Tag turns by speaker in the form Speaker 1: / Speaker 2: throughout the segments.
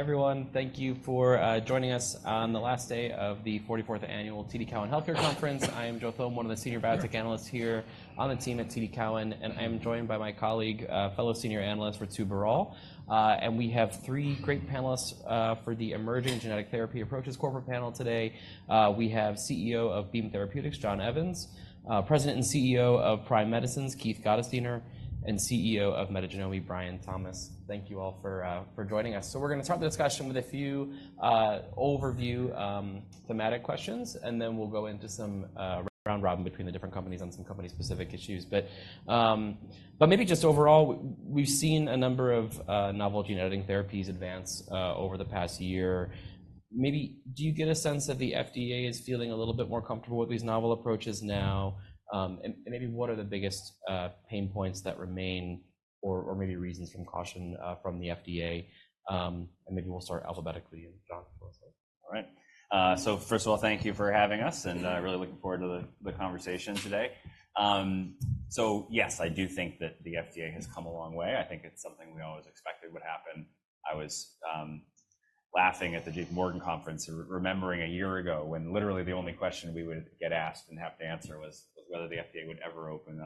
Speaker 1: Hi everyone. Thank you for joining us on the last day of the 44th Annual TD Cowen Health Care Conference. I am Joe Thome, one of the Senior Biotech Analysts here on the team at TD Cowen, and I am joined by my colleague, fellow Senior Analyst Ritu Baral. And we have three great panelists for the Emerging Genetic Therapy Approaches Corporate panel today. We have CEO of Beam Therapeutics, John Evans; President and CEO of Prime Medicine, Keith Gottesdiener; and CEO of Metagenomi, Brian Thomas. Thank you all for joining us. So we're going to start the discussion with a few overview thematic questions, and then we'll go into some round-robin between the different companies on some company-specific issues. But maybe just overall, we've seen a number of novel genetic therapies advance over the past year. Maybe do you get a sense that the FDA is feeling a little bit more comfortable with these novel approaches now? And maybe what are the biggest pain points that remain, or maybe reasons for caution from the FDA? And maybe we'll start alphabetically, and John.
Speaker 2: All right. So first of all, thank you for having us, and I'm really looking forward to the conversation today. So yes, I do think that the FDA has come a long way. I think it's something we always expected would happen. I was laughing at the JPMorgan conference, remembering a year ago when literally the only question we would get asked and have to answer was whether the FDA would ever open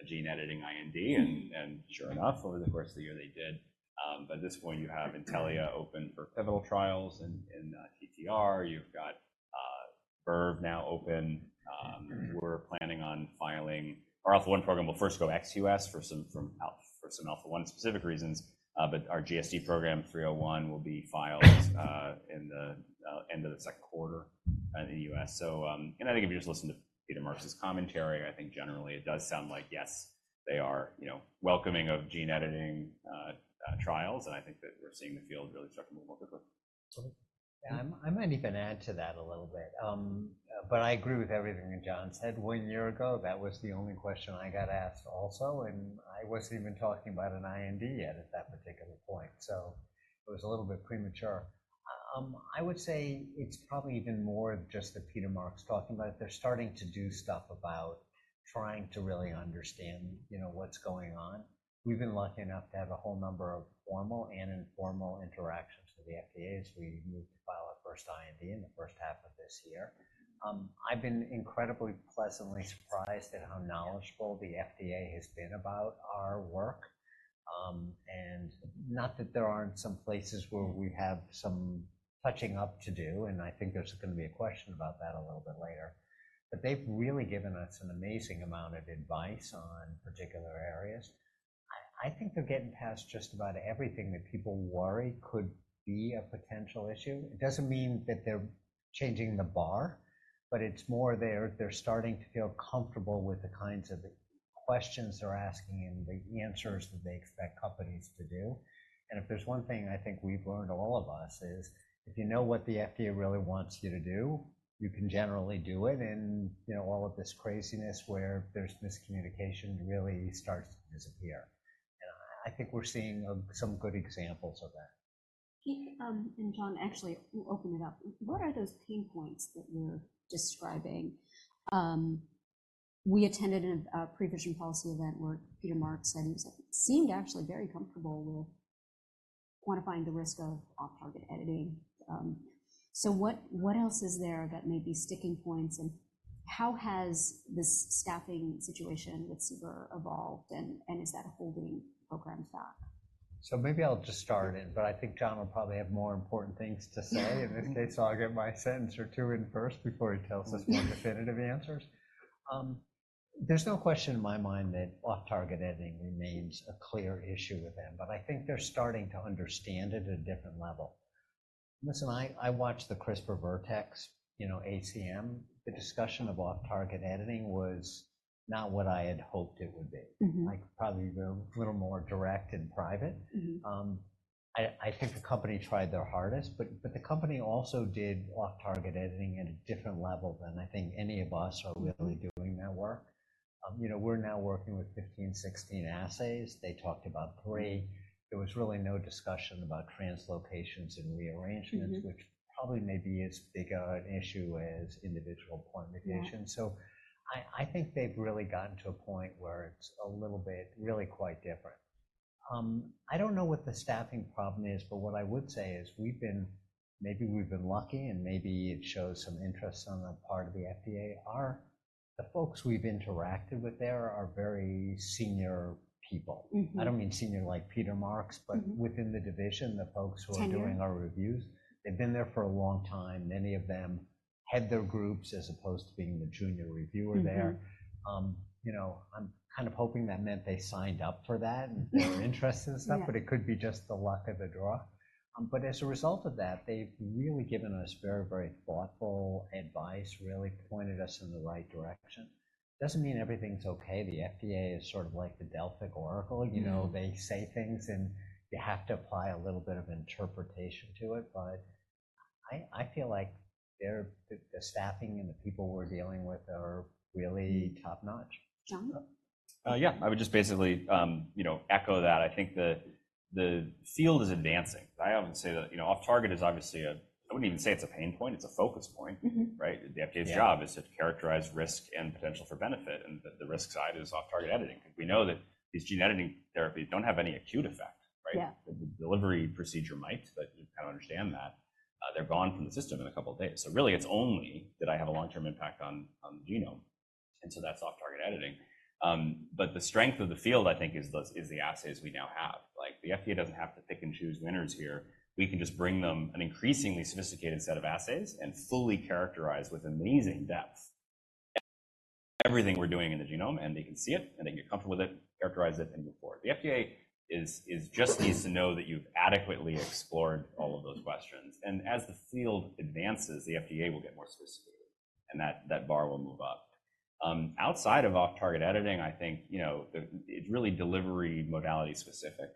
Speaker 2: a gene editing IND. And sure enough, over the course of the year they did. But at this point you have Intellia open for pivotal trials in TTR. You've got Verve now open. We're planning on filing our Alpha-1 program will first go ex-U.S. for some Alpha-1 specific reasons. But our GSD program, 301, will be filed in the end of the second quarter in the U.S. I think if you just listen to Peter Marks's commentary, I think generally it does sound like yes, they are welcoming of gene editing trials, and I think that we're seeing the field really start to move more quickly.
Speaker 3: Yeah, I might even add to that a little bit. But I agree with everything that John said. One year ago, that was the only question I got asked also, and I wasn't even talking about an IND yet at that particular point. So it was a little bit premature. I would say it's probably even more just that Peter Marks is talking about it. They're starting to do stuff about trying to really understand what's going on. We've been lucky enough to have a whole number of formal and informal interactions with the FDA as we move to file our first IND in the first half of this year. I've been incredibly pleasantly surprised at how knowledgeable the FDA has been about our work. Not that there aren't some places where we have some touching up to do, and I think there's going to be a question about that a little bit later. But they've really given us an amazing amount of advice on particular areas. I think they're getting past just about everything that people worry could be a potential issue. It doesn't mean that they're changing the bar, but it's more they're starting to feel comfortable with the kinds of questions they're asking and the answers that they expect companies to do. And if there's one thing I think we've learned, all of us, is if you know what the FDA really wants you to do, you can generally do it. And all of this craziness where there's miscommunication really starts to disappear. And I think we're seeing some good examples of that.
Speaker 4: Keith and John, actually, open it up. What are those pain points that you're describing? We attended a Prevision Policy event where Peter Marks said he seemed actually very comfortable with quantifying the risk of off-target editing. So what else is there that may be sticking points? And how has this staffing situation with CBER evolved, and is that holding programs back?
Speaker 3: So maybe I'll just start in, but I think John will probably have more important things to say in this case, so I'll get my sentence or two in first before he tells us more definitive answers. There's no question in my mind that off-target editing remains a clear issue with them, but I think they're starting to understand it at a different level. Listen, I watched the CRISPR Vertex, AdCom. The discussion of off-target editing was not what I had hoped it would be. Probably a little more direct and private. I think the company tried their hardest, but the company also did off-target editing at a different level than I think any of us are really doing that work. We're now working with 15, 16 assays. They talked about three. There was really no discussion about translocations and rearrangements, which probably maybe isn't as big an issue as individual point mutations. So I think they've really gotten to a point where it's a little bit really quite different. I don't know what the staffing problem is, but what I would say is maybe we've been lucky, and maybe it shows some interest on the part of the FDA. The folks we've interacted with there are very senior people. I don't mean senior like Peter Marks, but within the division, the folks who are doing our reviews. They've been there for a long time. Many of them head their groups as opposed to being the junior reviewer there. I'm kind of hoping that meant they signed up for that and they were interested in stuff, but it could be just the luck of the draw. But as a result of that, they've really given us very, very thoughtful advice, really pointed us in the right direction. It doesn't mean everything's OK. The FDA is sort of like the Delphic Oracle. They say things, and you have to apply a little bit of interpretation to it. But I feel like the staffing and the people we're dealing with are really top-notch.
Speaker 4: John?
Speaker 2: Yeah, I would just basically echo that. I think the field is advancing. I often say that off-target is obviously a I wouldn't even say it's a pain point. It's a focus point, right? The FDA's job is to characterize risk and potential for benefit, and the risk side is off-target editing. Because we know that these gene editing therapies don't have any acute effect, right? The delivery procedure might, but you kind of understand that. They're gone from the system in a couple of days. So really, it's only that I have a long-term impact on the genome. And so that's off-target editing. But the strength of the field, I think, is the assays we now have. The FDA doesn't have to pick and choose winners here. We can just bring them an increasingly sophisticated set of assays and fully characterize with amazing depth everything we're doing in the genome, and they can see it, and they can get comfortable with it, characterize it, and move forward. The FDA just needs to know that you've adequately explored all of those questions. As the field advances, the FDA will get more sophisticated, and that bar will move up. Outside of off-target editing, I think it's really delivery modality specific.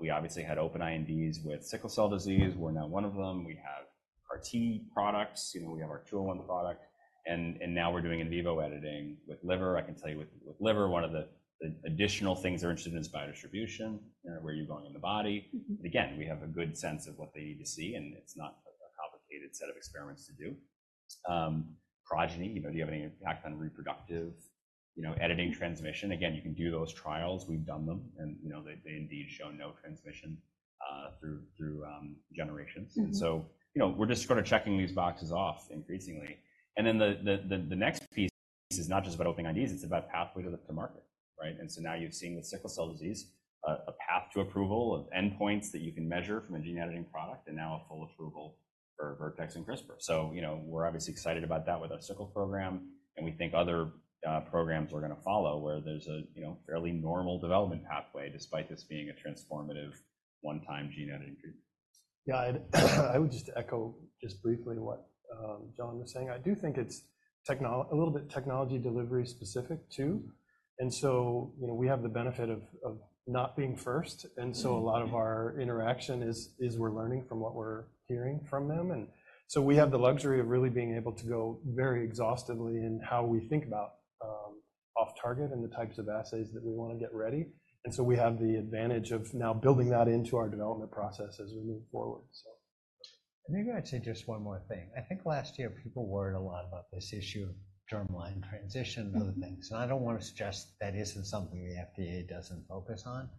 Speaker 2: We obviously had open INDs with sickle cell disease. We're now one of them. We have CAR-T products. We have our 201 product. And now we're doing in vivo editing with liver. I can tell you with liver, one of the additional things they're interested in is biodistribution, where you're going in the body. But again, we have a good sense of what they need to see, and it's not a complicated set of experiments to do. Progeny, do you have any impact on reproductive editing transmission? Again, you can do those trials. We've done them, and they indeed show no transmission through generations. And so we're just sort of checking these boxes off increasingly. And then the next piece is not just about open INDs. It's about pathway to market, right? And so now you've seen with sickle cell disease a path to approval of endpoints that you can measure from a gene editing product, and now a full approval for Vertex and CRISPR. So we're obviously excited about that with our sickle program, and we think other programs are going to follow where there's a fairly normal development pathway despite this being a transformative one-time gene editing treatment.
Speaker 5: Yeah, I would just echo briefly what John was saying. I do think it's a little bit technology delivery specific, too. And so we have the benefit of not being first, and so a lot of our interaction is we're learning from what we're hearing from them. And so we have the luxury of really being able to go very exhaustively in how we think about off-target and the types of assays that we want to get ready. And so we have the advantage of now building that into our development process as we move forward, so.
Speaker 3: Maybe I'd say just one more thing. I think last year people worried a lot about this issue of germline transmission and other things. And I don't want to suggest that isn't something the FDA doesn't focus on.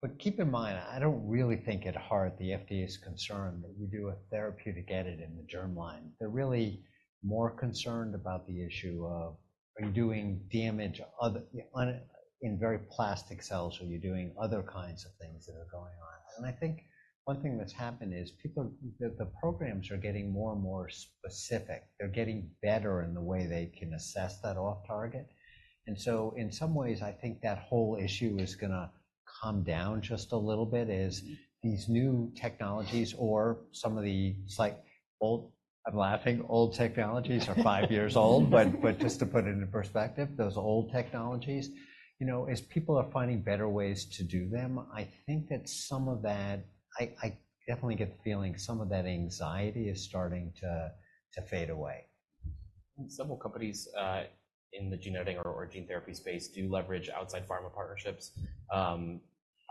Speaker 3: But keep in mind, I don't really think at heart the FDA is concerned that we do a therapeutic edit in the germline. They're really more concerned about the issue of you doing damage in very plastic cells, or you're doing other kinds of things that are going on. And I think one thing that's happened is the programs are getting more and more specific. They're getting better in the way they can assess that off-target. And so in some ways, I think that whole issue is going to calm down just a little bit, is these new technologies or some of the old I'm laughing. Old technologies are five years old. But just to put it into perspective, those old technologies, as people are finding better ways to do them, I think that some of that I definitely get the feeling some of that anxiety is starting to fade away.
Speaker 1: Several companies in the gene editing or gene therapy space do leverage outside pharma partnerships.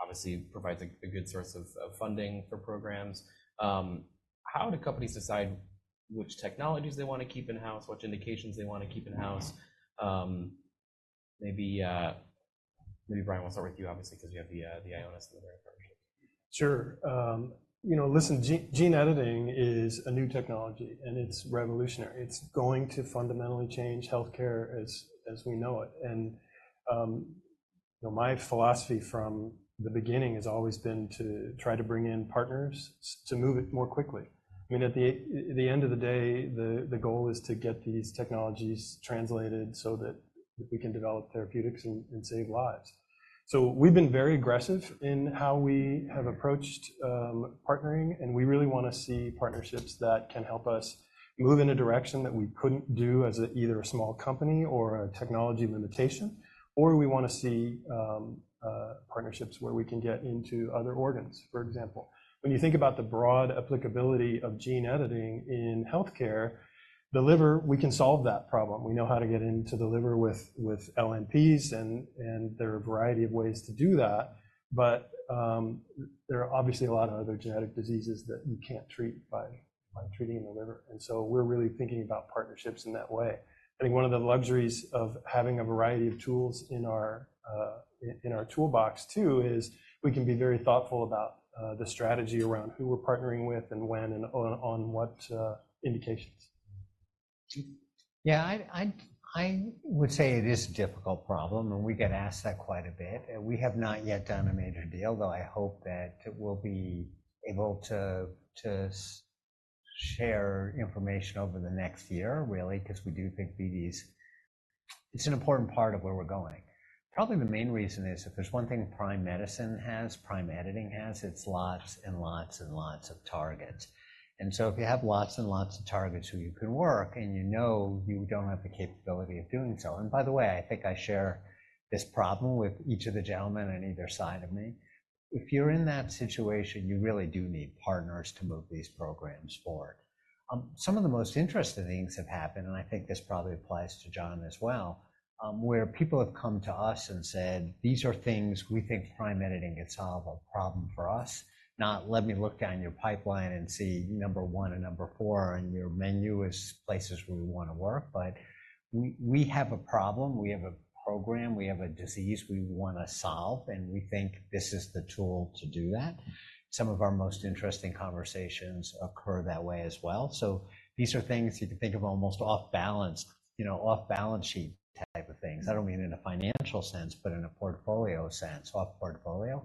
Speaker 1: Obviously, it provides a good source of funding for programs. How do companies decide which technologies they want to keep in-house, which indications they want to keep in-house? Maybe Brian, we'll start with you, obviously, because you have the Ionis and the other partnerships.
Speaker 5: Sure. Listen, gene editing is a new technology, and it's revolutionary. It's going to fundamentally change health care as we know it. And my philosophy from the beginning has always been to try to bring in partners to move it more quickly. I mean, at the end of the day, the goal is to get these technologies translated so that we can develop therapeutics and save lives. So we've been very aggressive in how we have approached partnering, and we really want to see partnerships that can help us move in a direction that we couldn't do as either a small company or a technology limitation. Or we want to see partnerships where we can get into other organs, for example. When you think about the broad applicability of gene editing in health care, the liver, we can solve that problem. We know how to get into the liver with LNPs, and there are a variety of ways to do that. But there are obviously a lot of other genetic diseases that you can't treat by treating the liver. And so we're really thinking about partnerships in that way. I think one of the luxuries of having a variety of tools in our toolbox, too, is we can be very thoughtful about the strategy around who we're partnering with and when and on what indications.
Speaker 3: Yeah, I would say it is a difficult problem, and we get asked that quite a bit. We have not yet done a major deal, though I hope that we'll be able to share information over the next year, really, because we do think BD is an important part of where we're going. Probably the main reason is if there's one thing Prime Medicine has, prime editing has, it's lots and lots and lots of targets. And so if you have lots and lots of targets who you can work and you know you don't have the capability of doing so and by the way, I think I share this problem with each of the gentlemen on either side of me. If you're in that situation, you really do need partners to move these programs forward. Some of the most interesting things have happened, and I think this probably applies to John as well, where people have come to us and said, "These are things we think prime editing could solve, a problem for us." Not, "Let me look down your pipeline and see number one and number four, and your menu is places we want to work." But we have a problem. We have a program. We have a disease we want to solve, and we think this is the tool to do that. Some of our most interesting conversations occur that way as well. So these are things you can think of almost off-balance, off-balance sheet type of things. I don't mean in a financial sense, but in a portfolio sense, off-portfolio.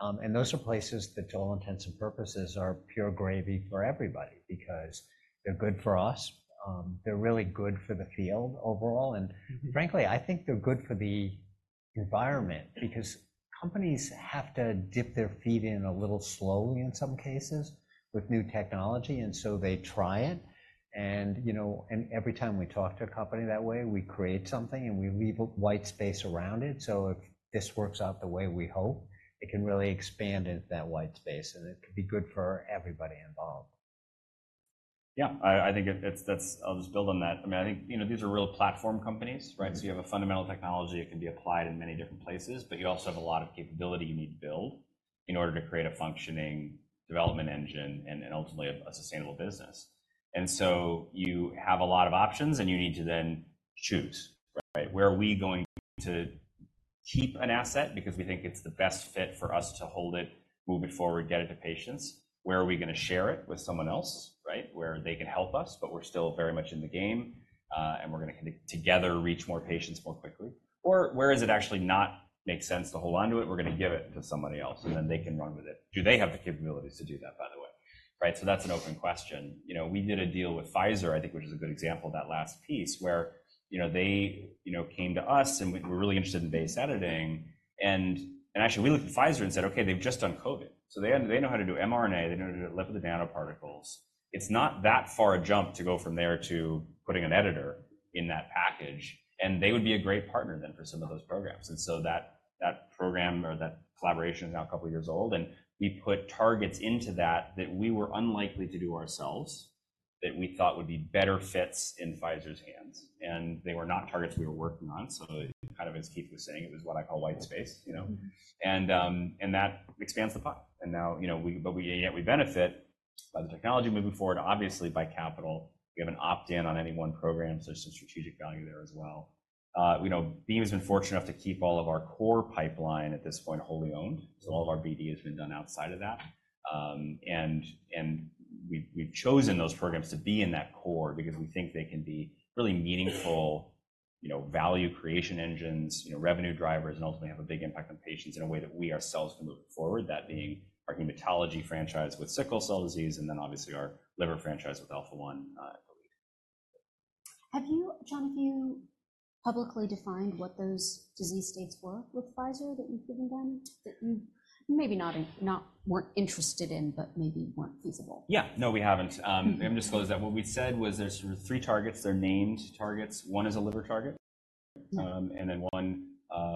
Speaker 3: And those are places that, to all intents and purposes, are pure gravy for everybody because they're good for us. They're really good for the field overall. And frankly, I think they're good for the environment because companies have to dip their feet in a little slowly in some cases with new technology, and so they try it. And every time we talk to a company that way, we create something, and we leave a white space around it. So if this works out the way we hope, it can really expand into that white space, and it could be good for everybody involved.
Speaker 2: Yeah, I think I'll just build on that. I mean, I think these are real platform companies, right? So you have a fundamental technology. It can be applied in many different places, but you also have a lot of capability you need to build in order to create a functioning development engine and ultimately a sustainable business. And so you have a lot of options, and you need to then choose, right? Where are we going to keep an asset because we think it's the best fit for us to hold it, move it forward, get it to patients? Where are we going to share it with someone else, right, where they can help us, but we're still very much in the game, and we're going to together reach more patients more quickly? Or where is it actually not make sense to hold on to it? We're going to give it to somebody else, and then they can run with it. Do they have the capabilities to do that, by the way, right? So that's an open question. We did a deal with Pfizer, I think, which is a good example, that last piece, where they came to us, and we're really interested in base editing. And actually, we looked at Pfizer and said, "Okay, they've just done COVID. So they know how to do mRNA. They know how to deliver the nanoparticles. It's not that far a jump to go from there to putting an editor in that package." And they would be a great partner then for some of those programs. That program or that collaboration is now a couple of years old, and we put targets into that that we were unlikely to do ourselves, that we thought would be better fits in Pfizer's hands. And they were not targets we were working on. So kind of as Keith was saying, it was what I call white space. And that expands the pot. And now, but yet we benefit by the technology moving forward, obviously, by capital. We have an opt-in on any one program, so there's some strategic value there as well. Beam has been fortunate enough to keep all of our core pipeline at this point wholly owned. So all of our BD has been done outside of that. We've chosen those programs to be in that core because we think they can be really meaningful value creation engines, revenue drivers, and ultimately have a big impact on patients in a way that we ourselves can move forward, that being our hematology franchise with sickle cell disease and then obviously our liver franchise with Alpha-1, I believe.
Speaker 4: John, have you publicly defined what those disease states were with Pfizer that you've given them that you maybe weren't interested in but maybe weren't feasible?
Speaker 2: Yeah, no, we haven't. I'm going to disclose that. What we said was there's three targets. They're named targets. One is a liver target. And then one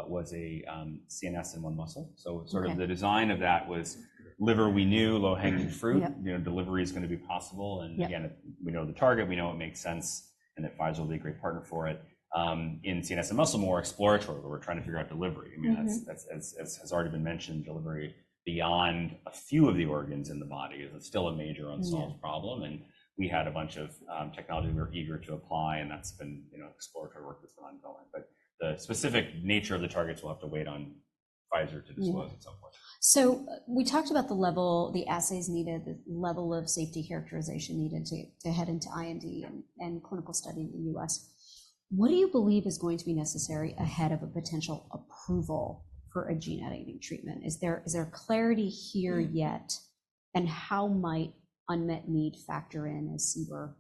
Speaker 2: was a CNS and one muscle. So sort of the design of that was liver, we knew, low-hanging fruit. Delivery is going to be possible. And again, we know the target. We know it makes sense, and that Pfizer will be a great partner for it. In CNS and muscle, more exploratory, where we're trying to figure out delivery. I mean, as has already been mentioned, delivery beyond a few of the organs in the body is still a major unsolved problem. And we had a bunch of technology we were eager to apply, and that's been exploratory work that's been ongoing. But the specific nature of the targets, we'll have to wait on Pfizer to disclose at some point.
Speaker 4: So we talked about the level the assays needed, the level of safety characterization needed to head into IND and clinical study in the U.S. What do you believe is going to be necessary ahead of a potential approval for a gene editing treatment? Is there clarity here yet, and how might unmet need factor in as CBER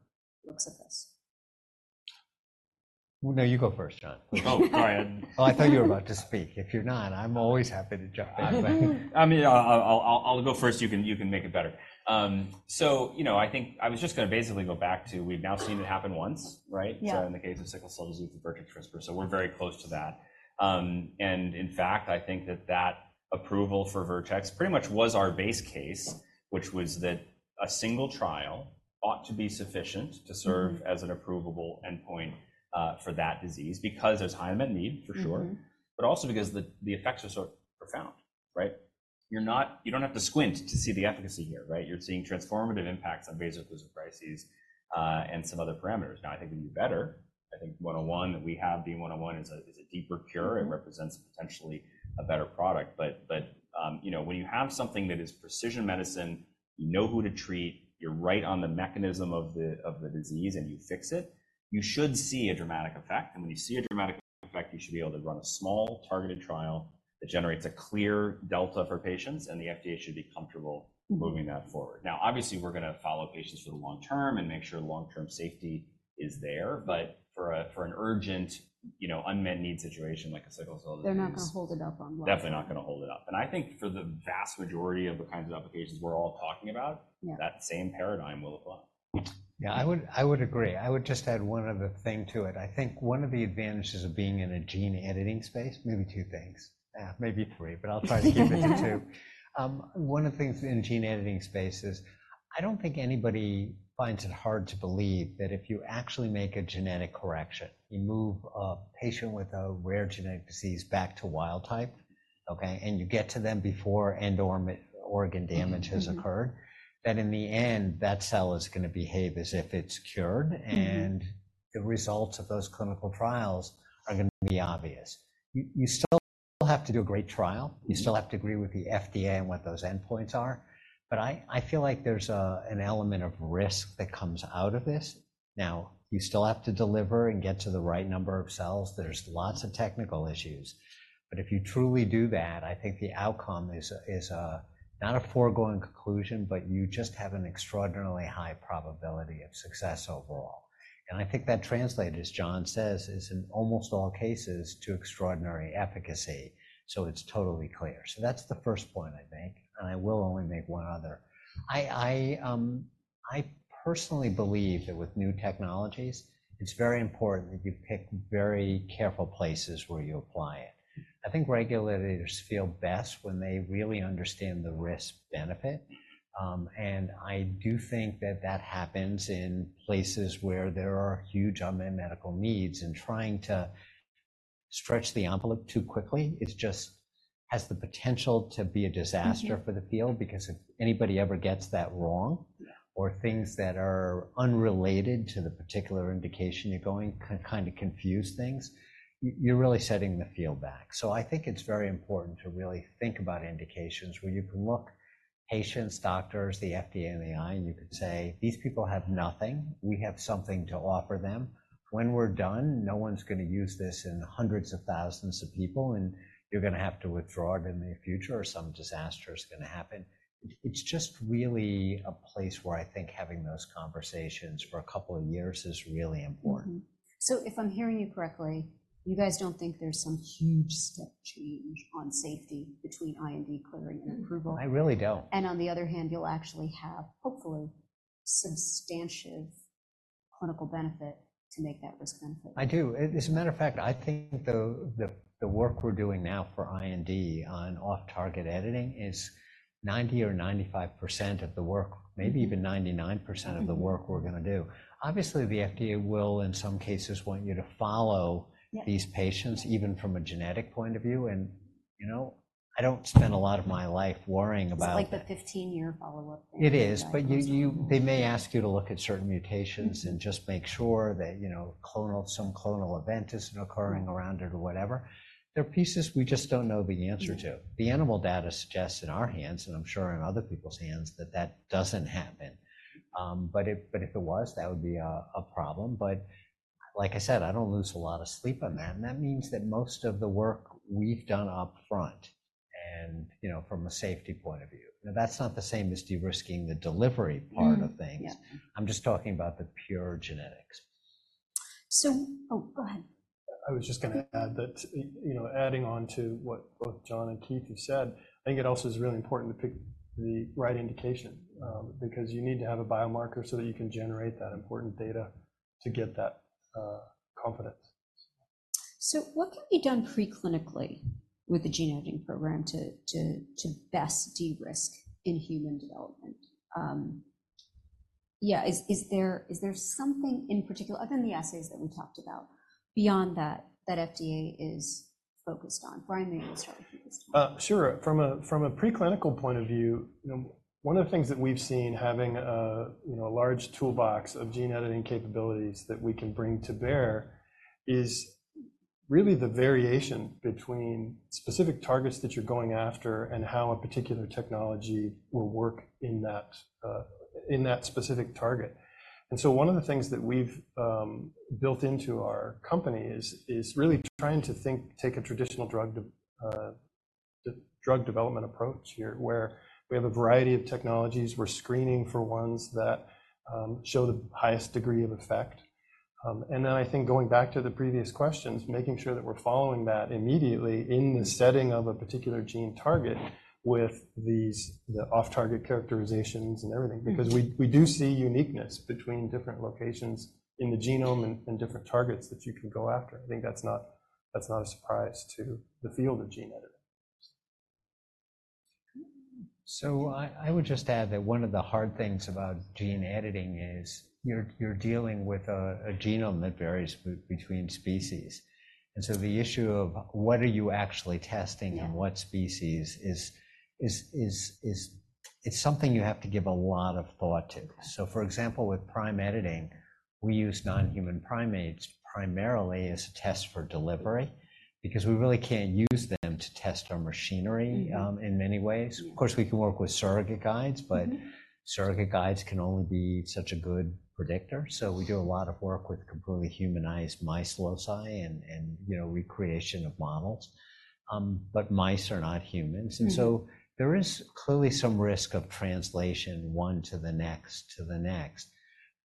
Speaker 4: looks at this?
Speaker 3: Well, no, you go first, John.
Speaker 2: Oh, sorry.
Speaker 3: Oh, I thought you were about to speak. If you're not, I'm always happy to jump back.
Speaker 2: I mean, I'll go first. You can make it better. So I think I was just going to basically go back to we've now seen it happen once, right, in the case of sickle cell disease with Vertex and CRISPR. So we're very close to that. And in fact, I think that that approval for Vertex pretty much was our base case, which was that a single trial ought to be sufficient to serve as an approvable endpoint for that disease because there's high unmet need, for sure, but also because the effects are so profound, right? You don't have to squint to see the efficacy here, right? You're seeing transformative impacts on vaso-occlusive crises and some other parameters. Now, I think we do better. I think 101 that we have, Beam 101, is a deeper cure. It represents potentially a better product. But when you have something that is precision medicine, you know who to treat, you're right on the mechanism of the disease, and you fix it, you should see a dramatic effect. And when you see a dramatic effect, you should be able to run a small targeted trial that generates a clear delta for patients, and the FDA should be comfortable moving that forward. Now, obviously, we're going to follow patients for the long term and make sure long-term safety is there. But for an urgent unmet need situation like a sickle cell disease.
Speaker 4: They're not going to hold it up on one.
Speaker 2: Definitely not going to hold it up. I think for the vast majority of the kinds of applications we're all talking about, that same paradigm will apply.
Speaker 3: Yeah, I would agree. I would just add one other thing to it. I think one of the advantages of being in a gene editing space, maybe two things, maybe three, but I'll try to keep it to two. One of the things in gene editing spaces, I don't think anybody finds it hard to believe that if you actually make a genetic correction, you move a patient with a rare genetic disease back to wild type, Okay, and you get to them before end-organ damage has occurred, that in the end, that cell is going to behave as if it's cured, and the results of those clinical trials are going to be obvious. You still have to do a great trial. You still have to agree with the FDA and what those endpoints are. But I feel like there's an element of risk that comes out of this. Now, you still have to deliver and get to the right number of cells. There's lots of technical issues. But if you truly do that, I think the outcome is not a foregone conclusion, but you just have an extraordinarily high probability of success overall. And I think that translated, as John says, is in almost all cases to extraordinary efficacy. So it's totally clear. So that's the first point, I think. And I will only make one other. I personally believe that with new technologies, it's very important that you pick very careful places where you apply it. I think regulators feel best when they really understand the risk-benefit. And I do think that that happens in places where there are huge unmet medical needs. Trying to stretch the envelope too quickly has the potential to be a disaster for the field because if anybody ever gets that wrong or things that are unrelated to the particular indication you're going can kind of confuse things, you're really setting the field back. So I think it's very important to really think about indications where you can look patients, doctors, and the FDA in the eye, and you could say, "These people have nothing. We have something to offer them. When we're done, no one's going to use this in hundreds of thousands of people, and you're going to have to withdraw it in the future, or some disaster is going to happen." It's just really a place where I think having those conversations for a couple of years is really important.
Speaker 4: If I'm hearing you correctly, you guys don't think there's some huge step change on safety between IND clearing and approval?
Speaker 3: I really don't.
Speaker 4: On the other hand, you'll actually have, hopefully, substantial clinical benefit to make that risk-benefit.
Speaker 3: I do. As a matter of fact, I think the work we're doing now for IND on off-target editing is 90% or 95% of the work, maybe even 99% of the work we're going to do. Obviously, the FDA will, in some cases, want you to follow these patients, even from a genetic point of view. And I don't spend a lot of my life worrying about.
Speaker 4: It's like the 15-year follow-up thing.
Speaker 3: It is. But they may ask you to look at certain mutations and just make sure that some clonal event is occurring around it or whatever. There are pieces we just don't know the answer to. The animal data suggests in our hands, and I'm sure in other people's hands, that that doesn't happen. But if it was, that would be a problem. But like I said, I don't lose a lot of sleep on that. And that means that most of the work we've done upfront and from a safety point of view now, that's not the same as de-risking the delivery part of things. I'm just talking about the pure genetics.
Speaker 4: Go ahead.
Speaker 5: I was just going to add that adding on to what both John and Keith have said, I think it also is really important to pick the right indication because you need to have a biomarker so that you can generate that important data to get that confidence.
Speaker 4: So what can be done preclinically with the gene editing program to best de-risk in-human development? Yeah, is there something in particular, other than the assays that we talked about, beyond that FDA is focused on? Brian, maybe we'll start with Keith.
Speaker 5: Sure. From a preclinical point of view, one of the things that we've seen having a large toolbox of gene editing capabilities that we can bring to bear is really the variation between specific targets that you're going after and how a particular technology will work in that specific target. And so one of the things that we've built into our company is really trying to take a traditional drug development approach here, where we have a variety of technologies. We're screening for ones that show the highest degree of effect. And then I think going back to the previous questions, making sure that we're following that immediately in the setting of a particular gene target with the off-target characterizations and everything because we do see uniqueness between different locations in the genome and different targets that you can go after. I think that's not a surprise to the field of gene editing.
Speaker 3: So I would just add that one of the hard things about gene editing is you're dealing with a genome that varies between species. And so the issue of what are you actually testing and what species is something you have to give a lot of thought to. So for example, with prime editing, we use non-human primates primarily as a test for delivery because we really can't use them to test our machinery in many ways. Of course, we can work with surrogate guides, but surrogate guides can only be such a good predictor. So we do a lot of work with completely humanized mice loci and recreation of models. But mice are not humans. And so there is clearly some risk of translation one to the next to the next.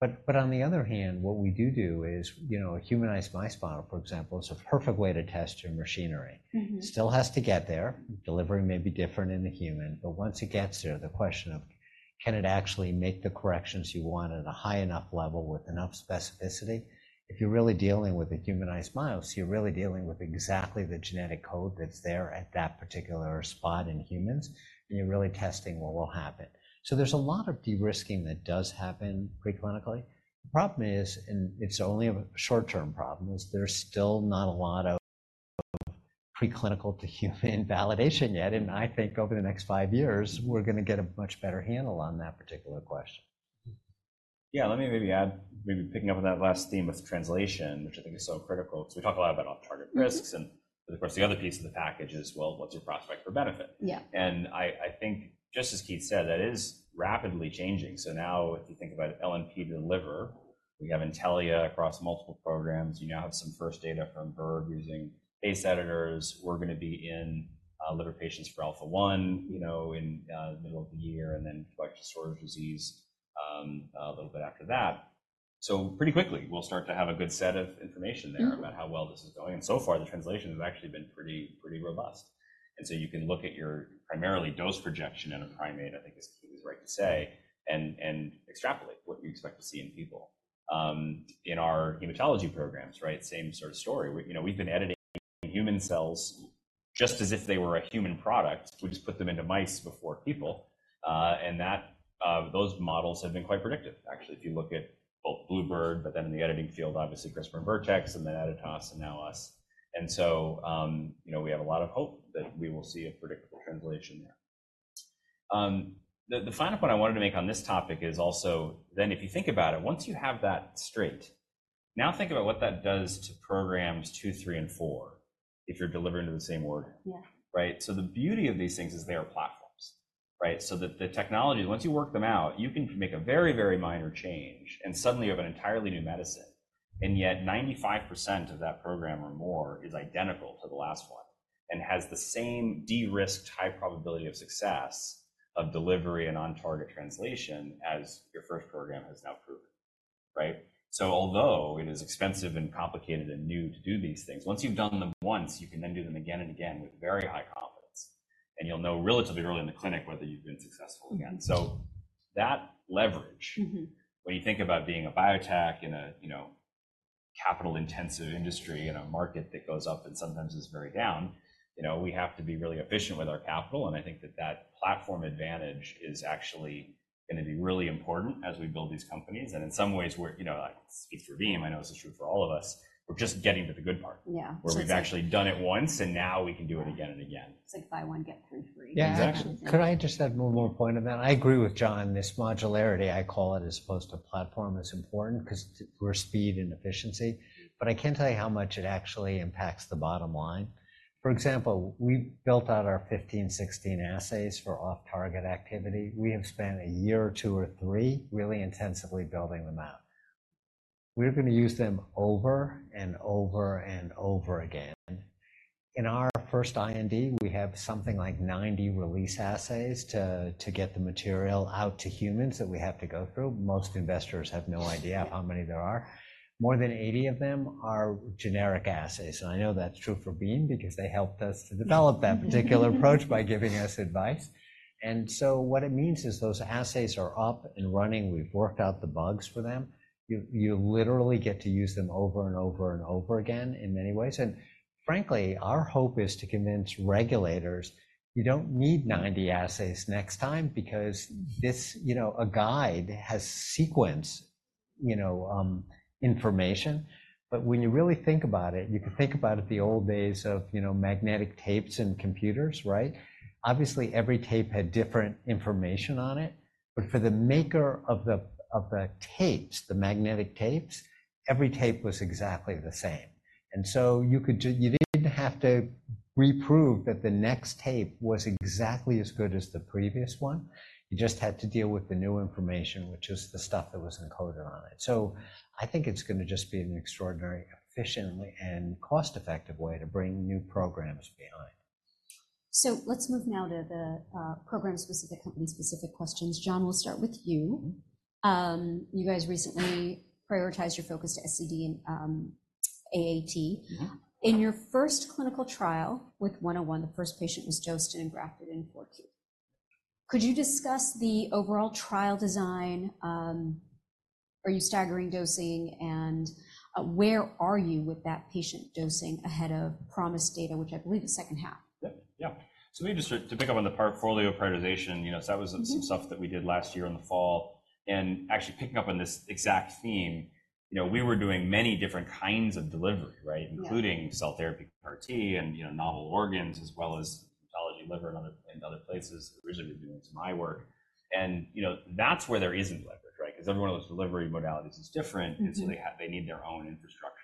Speaker 3: But on the other hand, what we do do is a humanized mice model, for example, is a perfect way to test your machinery. It still has to get there. Delivery may be different in the human. But once it gets there, the question of can it actually make the corrections you want at a high enough level with enough specificity? If you're really dealing with a humanized mouse, you're really dealing with exactly the genetic code that's there at that particular spot in humans, and you're really testing what will happen. So there's a lot of de-risking that does happen preclinically. The problem is, and it's only a short-term problem, is there's still not a lot of preclinical-to-human validation yet. And I think over the next five years, we're going to get a much better handle on that particular question.
Speaker 2: Yeah, let me maybe add maybe picking up on that last theme with translation, which I think is so critical because we talk a lot about off-target risks. And of course, the other piece of the package is, well, what's your prospect for benefit? And I think, just as Keith said, that is rapidly changing. So now, if you think about LNP to the liver, we have Intellia across multiple programs. You now have some first data from Verve using base editors. We're going to be in liver patients for Alpha-1 in the middle of the year and then glycogen storage disease a little bit after that. So pretty quickly, we'll start to have a good set of information there about how well this is going. And so far, the translation has actually been pretty robust. And so you can look at your primarily dose projection in a primate, I think, as Keith is right to say, and extrapolate what you expect to see in people. In our hematology programs, right, same sort of story. We've been editing human cells just as if they were a human product. We just put them into mice before people. And those models have been quite predictive, actually, if you look at both bluebird, but then in the editing field, obviously, CRISPR and Vertex, and then Editas, and now us. And so we have a lot of hope that we will see a predictable translation there. The final point I wanted to make on this topic is also then, if you think about it, once you have that straight, now think about what that does to programs two, three, and four if you're delivering to the same order, right? So the beauty of these things is they are platforms, right? So that the technology, once you work them out, you can make a very, very minor change, and suddenly you have an entirely new medicine. And yet, 95% of that program or more is identical to the last one and has the same de-risked, high probability of success of delivery and on-target translation as your first program has now proven, right? So although it is expensive and complicated and new to do these things, once you've done them once, you can then do them again and again with very high confidence. And you'll know relatively early in the clinic whether you've been successful again. So that leverage, when you think about being a biotech in a capital-intensive industry in a market that goes up and sometimes is very down, we have to be really efficient with our capital. I think that that platform advantage is actually going to be really important as we build these companies. In some ways, like, speaks for Beam, I know this is true for all of us, we're just getting to the good part where we've actually done it once, and now we can do it again and again.
Speaker 4: It's like buy one, get three free.
Speaker 3: Yeah, exactly. Could I just add one more point on that? I agree with John. This modularity, I call it, as opposed to platform, is important because we're speed and efficiency. But I can't tell you how much it actually impacts the bottom line. For example, we built out our 15, 16 assays for off-target activity. We have spent a year or two or three really intensively building them out. We're going to use them over and over and over again. In our first IND, we have something like 90 release assays to get the material out to humans that we have to go through. Most investors have no idea how many there are. More than 80 of them are generic assays. And I know that's true for Beam because they helped us to develop that particular approach by giving us advice. What it means is those assays are up and running. We've worked out the bugs for them. You literally get to use them over and over and over again in many ways. Frankly, our hope is to convince regulators, you don't need 90 assays next time because a guide has sequence information. But when you really think about it, you can think about it the old days of magnetic tapes and computers, right? Obviously, every tape had different information on it. For the maker of the tapes, the magnetic tapes, every tape was exactly the same. You didn't have to reprove that the next tape was exactly as good as the previous one. You just had to deal with the new information, which is the stuff that was encoded on it. I think it's going to just be an extraordinarily efficient and cost-effective way to bring new programs behind.
Speaker 4: So let's move now to the program-specific, company-specific questions. John, we'll start with you. You guys recently prioritized your focus to SCD and AAT. In your first clinical trial with 101, the first patient was dosed and grafted in 4Q. Could you discuss the overall trial design? Are you staggering dosing? And where are you with that patient dosing ahead of promised data, which I believe is second half?
Speaker 2: Yeah. So maybe just to pick up on the portfolio prioritization, so that was some stuff that we did last year in the fall. And actually picking up on this exact theme, we were doing many different kinds of delivery, right, including cell therapy RT and novel organs, as well as hematology, liver, and other places originally doing some eye work. And that's where there isn't leverage, right, because every one of those delivery modalities is different. And so they need their own infrastructure.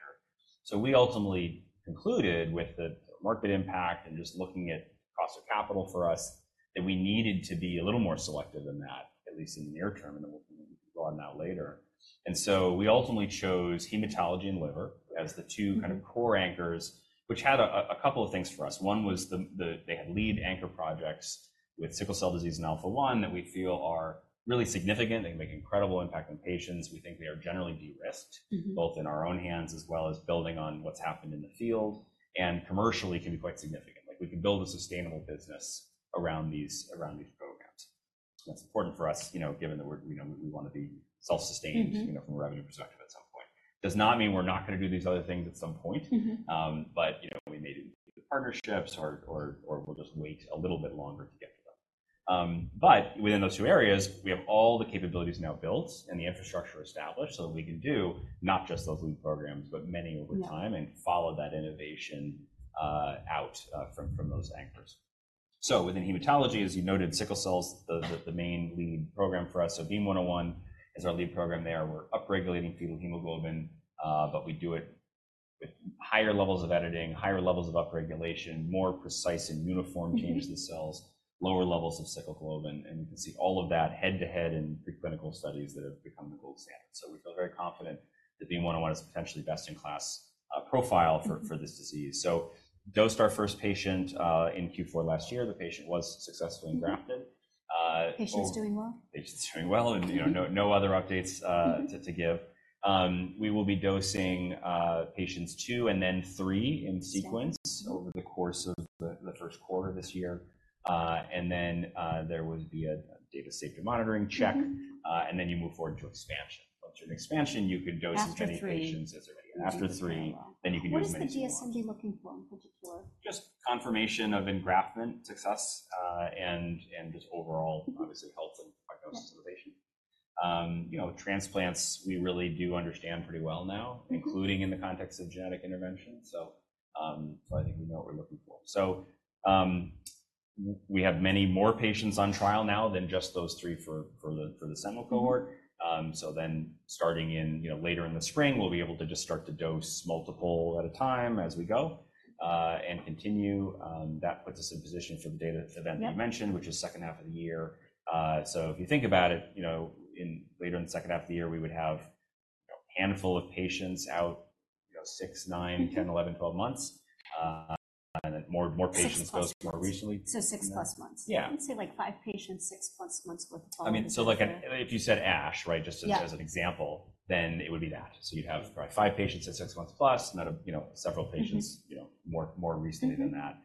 Speaker 2: So we ultimately concluded with the market impact and just looking at cost of capital for us that we needed to be a little more selective than that, at least in the near term. And then we can go on that later. And so we ultimately chose hematology and liver as the two kind of core anchors, which had a couple of things for us. One was they had lead anchor projects with sickle cell disease in Alpha-1 that we feel are really significant. They make incredible impact on patients. We think they are generally de-risked, both in our own hands as well as building on what's happened in the field, and commercially can be quite significant. We can build a sustainable business around these programs. That's important for us, given that we want to be self-sustained from a revenue perspective at some point. It does not mean we're not going to do these other things at some point. But we may do partnerships, or we'll just wait a little bit longer to get to them. But within those two areas, we have all the capabilities now built and the infrastructure established so that we can do not just those lead programs, but many over time and follow that innovation out from those anchors. So within hematology, as you noted, sickle cells, the main lead program for us, so BEAM-101 is our lead program there. We're upregulating fetal hemoglobin. But we do it with higher levels of editing, higher levels of upregulation, more precise and uniform changes to the cells, lower levels of sickle globin. And you can see all of that head-to-head in preclinical studies that have become the gold standard. So we feel very confident that BEAM-101 is potentially best-in-class profile for this disease. So dosed our first patient in Q4 last year. The patient was successfully grafted.
Speaker 4: Patient's doing well?
Speaker 2: Patient's doing well. No other updates to give. We will be dosing patients two and then three in sequence over the course of the first quarter of this year. Then there would be a data safety monitoring check. Then you move forward to expansion. Once you're in expansion, you can dose as many patients as there are. After three, then you can use many.
Speaker 4: What is the DSM be looking for in particular?
Speaker 2: Just confirmation of engraftment success and just overall, obviously, health and prognosis of the patient. Transplants, we really do understand pretty well now, including in the context of genetic intervention. So I think we know what we're looking for. So we have many more patients on trial now than just those three for the seminal cohort. So then starting later in the spring, we'll be able to just start to dose multiple at a time as we go and continue. That puts us in position for the data event you mentioned, which is second half of the year. So if you think about it, later in the second half of the year, we would have a handful of patients out six, nine, 10, 11, 12 months. And then more patients dosed more recently.
Speaker 4: Six plus months. I would say like five patients, Six plus months with.
Speaker 2: I mean, so if you said ASH, right, just as an example, then it would be that. So you'd have probably six patients at six months plus, not several patients more recently than that.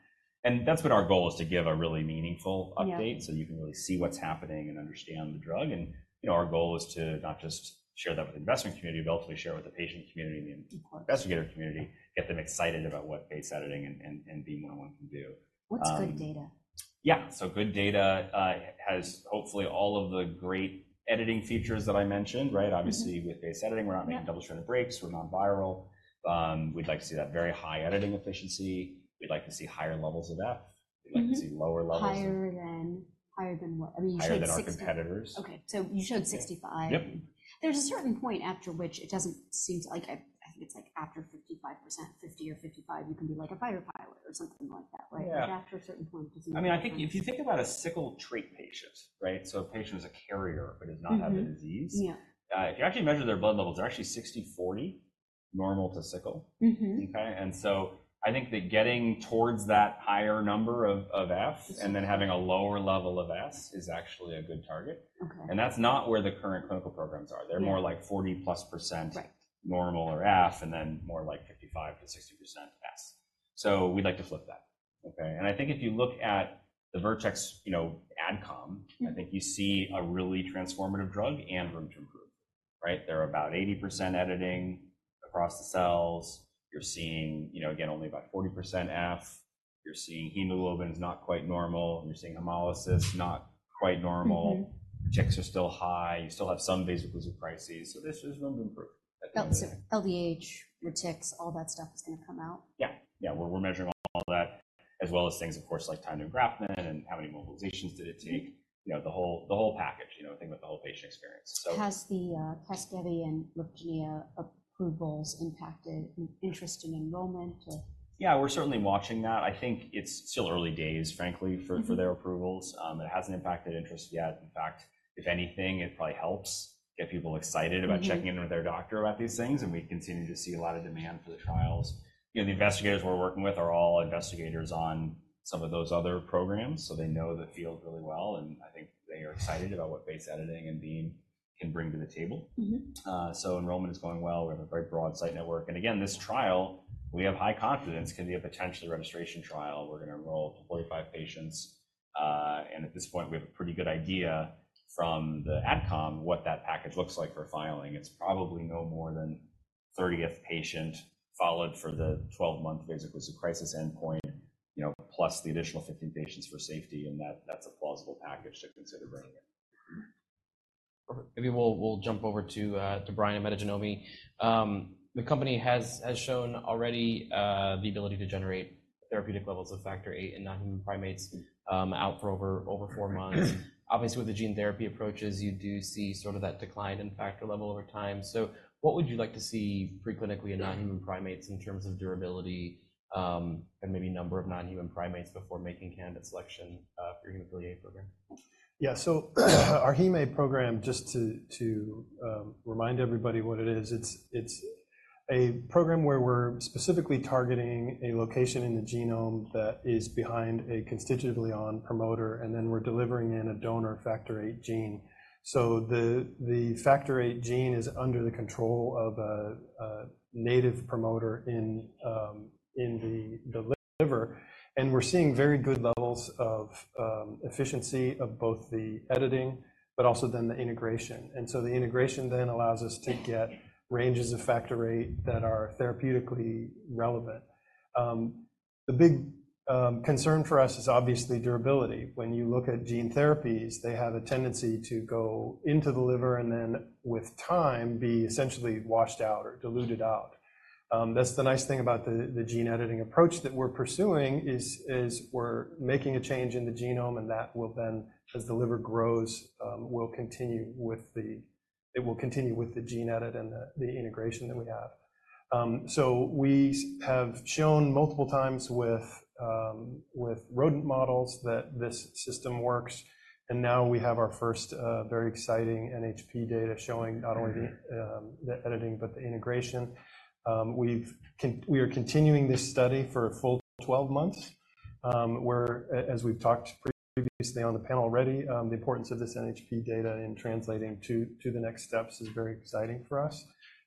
Speaker 2: And that's what our goal is, to give a really meaningful update so you can really see what's happening and understand the drug. And our goal is to not just share that with the investment community, but ultimately share it with the patient community and the investigator community, get them excited about what base editing and BEAM-101 can do.
Speaker 4: What's good data?
Speaker 2: Yeah. So good data has hopefully all of the great editing features that I mentioned, right? Obviously, with base editing, we're not making double-stranded breaks. We're non-viral. We'd like to see that very high editing efficiency. We'd like to see higher levels of F. We'd like to see lower levels.
Speaker 4: Higher than what? I mean, you showed 65%.
Speaker 2: Higher than our competitors.
Speaker 4: Okay. So you showed 65%. There's a certain point after which it doesn't seem to. I think it's like after 55%, 50% or 55%, you can be like a pan-cellular or something like that, right? But after a certain point, it doesn't seem to.
Speaker 2: I mean, I think if you think about a sickle trait patient, right, so a patient is a carrier but does not have the disease, if you actually measure their blood levels, they're actually 60/40 normal to sickle, okay? And so I think that getting towards that higher number of F and then having a lower level of S is actually a good target. And that's not where the current clinical programs are. They're more like 40%+ normal or F and then more like 55%-60% S. So we'd like to flip that, okay? And I think if you look at the Vertex Adcom, I think you see a really transformative drug and room to improve, right? They're about 80% editing across the cells. You're seeing, again, only about 40% F. You're seeing hemoglobin is not quite normal. You're seeing hemolysis not quite normal. Retics are still high. You still have some vaso-occlusive crises. This is room to improve.
Speaker 4: LDH, retics, all that stuff is going to come out?
Speaker 2: Yeah. Yeah. We're measuring all that, as well as things, of course, like time to engraftment and how many mobilizations did it take, the whole package, thinking about the whole patient experience, so.
Speaker 4: Has the Casgevy and Lyfgenia approvals impacted interest in enrollment?
Speaker 2: Yeah, we're certainly watching that. I think it's still early days, frankly, for their approvals. It hasn't impacted interest yet. In fact, if anything, it probably helps get people excited about checking in with their doctor about these things. And we continue to see a lot of demand for the trials. The investigators we're working with are all investigators on some of those other programs. So they know the field really well. And I think they are excited about what base editing and Beam can bring to the table. So enrollment is going well. We have a very broad site network. And again, this trial, we have high confidence can be a potentially registration trial. We're going to enroll 45 patients. And at this point, we have a pretty good idea from the Adcom what that package looks like for filing. It's probably no more than 30th patient followed for the 12-month vaso-occlusive crisis endpoint, plus the additional 15 patients for safety. That's a plausible package to consider bringing in.
Speaker 1: Perfect. Maybe we'll jump over to Brian at Metagenomi. The company has shown already the ability to generate therapeutic levels of Factor VIII in non-human primates out for over four months. Obviously, with the gene therapy approaches, you do see sort of that decline in factor level over time. So what would you like to see preclinically in non-human primates in terms of durability and maybe number of non-human primates before making candidate selection for your HemA program?
Speaker 5: Yeah. So our Hemophilia A program, just to remind everybody what it is, it's a program where we're specifically targeting a location in the genome that is behind a constitutively on promoter. And then we're delivering in a donor Factor VIII gene. So the Factor VIII gene is under the control of a native promoter in the liver. And we're seeing very good levels of efficiency of both the editing, but also then the integration. And so the integration then allows us to get ranges of Factor VIII that are therapeutically relevant. The big concern for us is obviously durability. When you look at gene therapies, they have a tendency to go into the liver and then, with time, be essentially washed out or diluted out. That's the nice thing about the gene editing approach that we're pursuing is we're making a change in the genome. That will then, as the liver grows, continue with the gene edit and the integration that we have. So we have shown multiple times with rodent models that this system works. And now we have our first very exciting NHP data showing not only the editing but the integration. We are continuing this study for a full 12 months. As we've talked previously on the panel already, the importance of this NHP data in translating to the next steps is very exciting for us.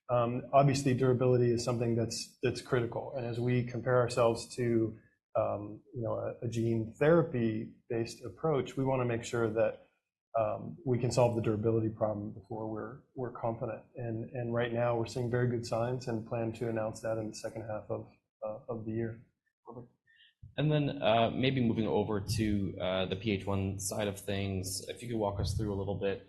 Speaker 5: Obviously, durability is something that's critical. And as we compare ourselves to a gene therapy-based approach, we want to make sure that we can solve the durability problem before we're confident. And right now, we're seeing very good signs and plan to announce that in the second half of the year.
Speaker 1: Perfect. And then maybe moving over to the PH1 side of things, if you could walk us through a little bit,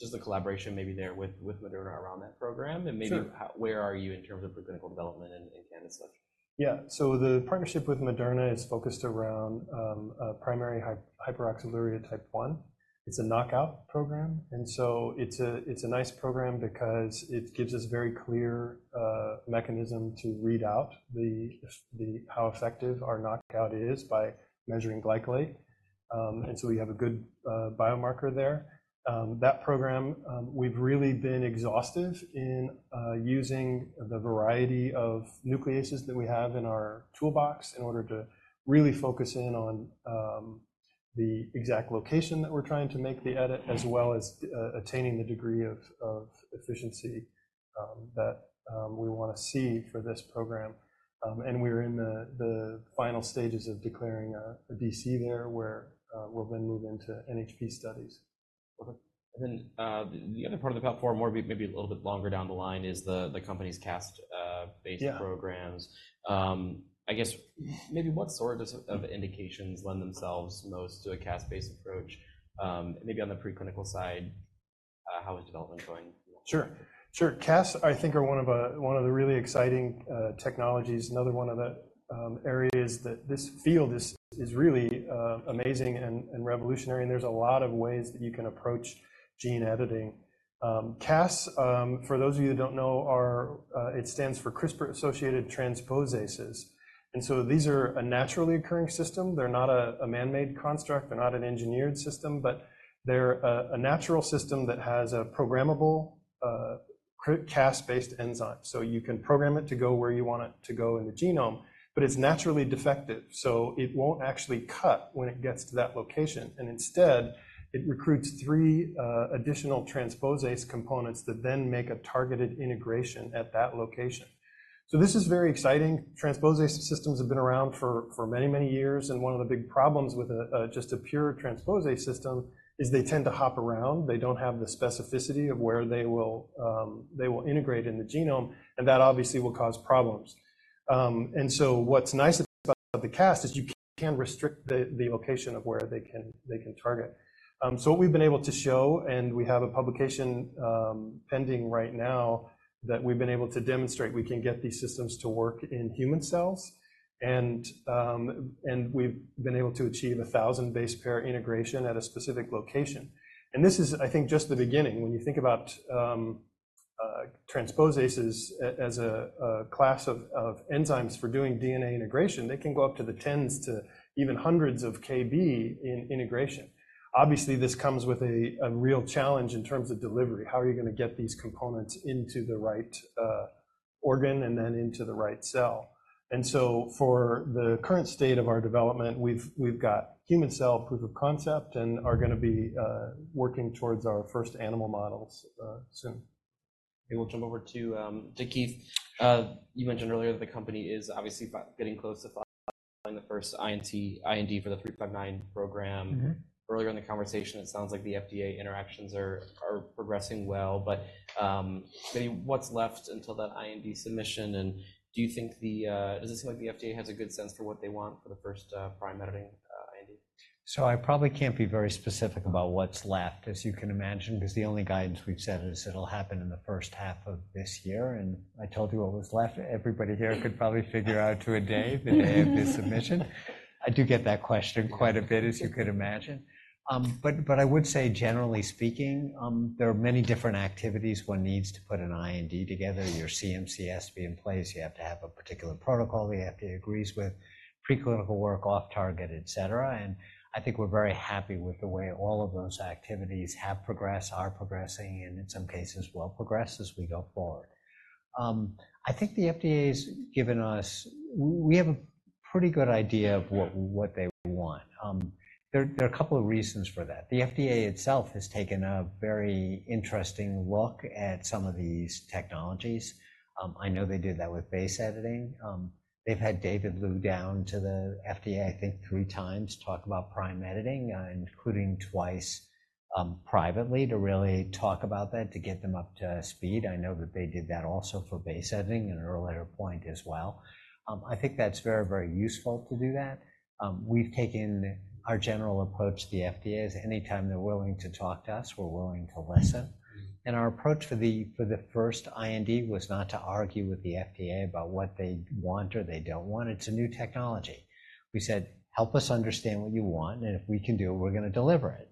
Speaker 1: just the collaboration maybe there with Moderna around that program and maybe where are you in terms of preclinical development and candidate selection?
Speaker 5: Yeah. So the partnership with Moderna is focused around Primary Hyperoxaluria Type 1. It's a knockout program. And so it's a nice program because it gives us a very clear mechanism to read out how effective our knockout is by measuring glycolate. And so we have a good biomarker there. That program, we've really been exhaustive in using the variety of nucleases that we have in our toolbox in order to really focus in on the exact location that we're trying to make the edit, as well as attaining the degree of efficiency that we want to see for this program. And we're in the final stages of declaring a DC there where we'll then move into NHP studies.
Speaker 1: Perfect. And then the other part of the platform, maybe a little bit longer down the line, is the company's CAST-based programs. I guess maybe what sort of indications lend themselves most to a CAST-based approach? Maybe on the preclinical side, how is development going?
Speaker 5: Sure. Sure. CAST, I think, are one of the really exciting technologies. Another one of the areas that this field is really amazing and revolutionary. And there's a lot of ways that you can approach gene editing. CAST, for those of you that don't know, it stands for CRISPR-associated transposases. And so these are a naturally occurring system. They're not a manmade construct. They're not an engineered system. But they're a natural system that has a programmable CAST-based enzyme. So you can program it to go where you want it to go in the genome. But it's naturally defective. So it won't actually cut when it gets to that location. And instead, it recruits three additional transposase components that then make a targeted integration at that location. So this is very exciting. Transposase systems have been around for many, many years. One of the big problems with just a pure transposase system is they tend to hop around. They don't have the specificity of where they will integrate in the genome. That obviously will cause problems. So what's nice about the CAST is you can restrict the location of where they can target. What we've been able to show, and we have a publication pending right now that we've been able to demonstrate, we can get these systems to work in human cells. We've been able to achieve 1,000 base pair integration at a specific location. This is, I think, just the beginning. When you think about transposases as a class of enzymes for doing DNA integration, they can go up to the 10s to even 100s of kb in integration. Obviously, this comes with a real challenge in terms of delivery. How are you going to get these components into the right organ and then into the right cell? And so for the current state of our development, we've got human cell proof of concept and are going to be working towards our first animal models soon.
Speaker 1: Maybe we'll jump over to Keith. You mentioned earlier that the company is obviously getting close to filing the first IND for the 359 program. Earlier in the conversation, it sounds like the FDA interactions are progressing well. But maybe what's left until that IND submission? And do you think does it seem like the FDA has a good sense for what they want for the first prime editing IND?
Speaker 3: I probably can't be very specific about what's left, as you can imagine, because the only guidance we've set is it'll happen in the first half of this year. I told you what was left. Everybody here could probably figure out, to a day, the day of this submission. I do get that question quite a bit, as you could imagine. But I would say, generally speaking, there are many different activities one needs to put an IND together. Your CMC be in place. You have to have a particular protocol the FDA agrees with, preclinical work, off-target, et cetera. And I think we're very happy with the way all of those activities have progressed, are progressing, and in some cases, will progress as we go forward. I think the FDA has given us. We have a pretty good idea of what they want. There are a couple of reasons for that. The FDA itself has taken a very interesting look at some of these technologies. I know they did that with base editing. They've had David Liu down to the FDA, I think, three times to talk about prime editing, including twice privately, to really talk about that, to get them up to speed. I know that they did that also for base editing at an earlier point as well. I think that's very, very useful to do that. We've taken our general approach, the FDA is anytime they're willing to talk to us, we're willing to listen. And our approach for the first IND was not to argue with the FDA about what they want or they don't want. It's a new technology. We said, "Help us understand what you want. And if we can do it, we're going to deliver it.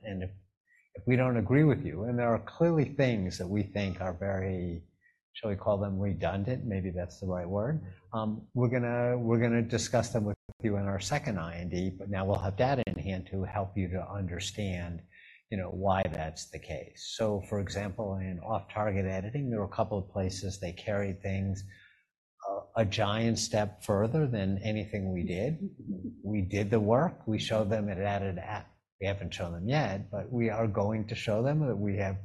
Speaker 3: If we don't agree with you, and there are clearly things that we think are very, shall we call them redundant? Maybe that's the right word. "We're going to discuss them with you in our second IND. But now we'll have data in hand to help you to understand why that's the case." So for example, in off-target editing, there were a couple of places they carried things a giant step further than anything we did. We did the work. We showed them it added. We haven't shown them yet. But we are going to show them that we have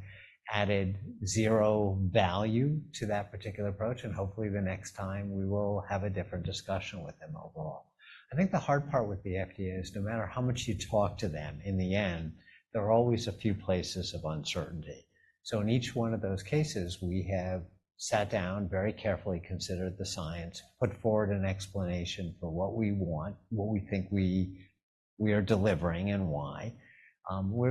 Speaker 3: added zero value to that particular approach. And hopefully, the next time, we will have a different discussion with them overall. I think the hard part with the FDA is no matter how much you talk to them, in the end, there are always a few places of uncertainty. So in each one of those cases, we have sat down, very carefully considered the science, put forward an explanation for what we want, what we think we are delivering, and why.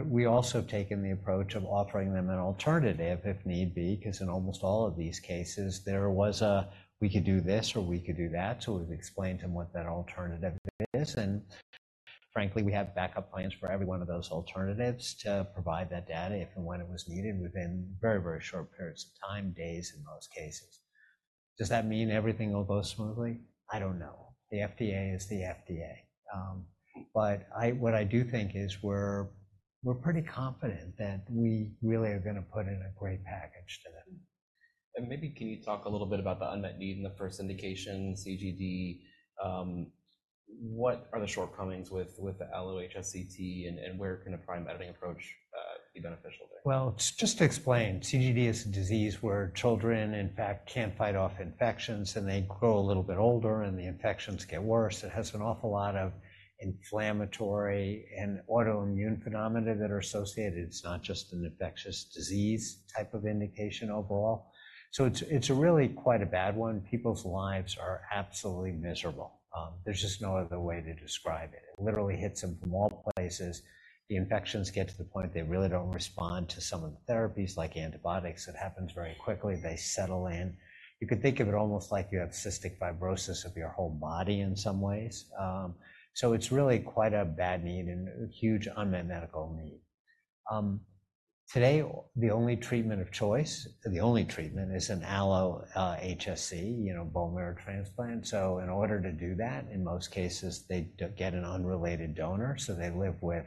Speaker 3: We also have taken the approach of offering them an alternative, if need be, because in almost all of these cases, there was a, "We could do this," or, "We could do that." So we've explained to them what that alternative is. And frankly, we have backup plans for every one of those alternatives to provide that data if and when it was needed within very, very short periods of time, days in most cases. Does that mean everything will go smoothly? I don't know. The FDA is the FDA. But what I do think is we're pretty confident that we really are going to put in a great package to them.
Speaker 1: Maybe can you talk a little bit about the unmet need in the first indication, CGD? What are the shortcomings with the allo-HSCT? And where can a prime editing approach be beneficial there?
Speaker 3: Well, just to explain, CGD is a disease where children, in fact, can't fight off infections. They grow a little bit older. The infections get worse. It has an awful lot of inflammatory and autoimmune phenomena that are associated. It's not just an infectious disease type of indication overall. So it's really quite a bad one. People's lives are absolutely miserable. There's just no other way to describe it. It literally hits them from all places. The infections get to the point they really don't respond to some of the therapies, like antibiotics. It happens very quickly. They settle in. You could think of it almost like you have cystic fibrosis of your whole body in some ways. So it's really quite a bad need and a huge unmet medical need. Today, the only treatment of choice, the only treatment, is an allo-HSCT, bone marrow transplant. So in order to do that, in most cases, they get an unrelated donor. So they live with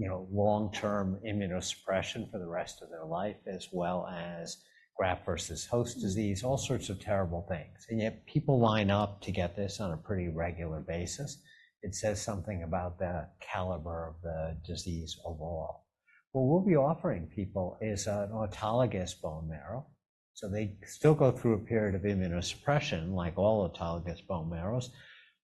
Speaker 3: long-term immunosuppression for the rest of their life, as well as graft versus host disease, all sorts of terrible things. And yet, people line up to get this on a pretty regular basis. It says something about the caliber of the disease overall. What we'll be offering people is an autologous bone marrow. So they still go through a period of immunosuppression, like all autologous bone marrows.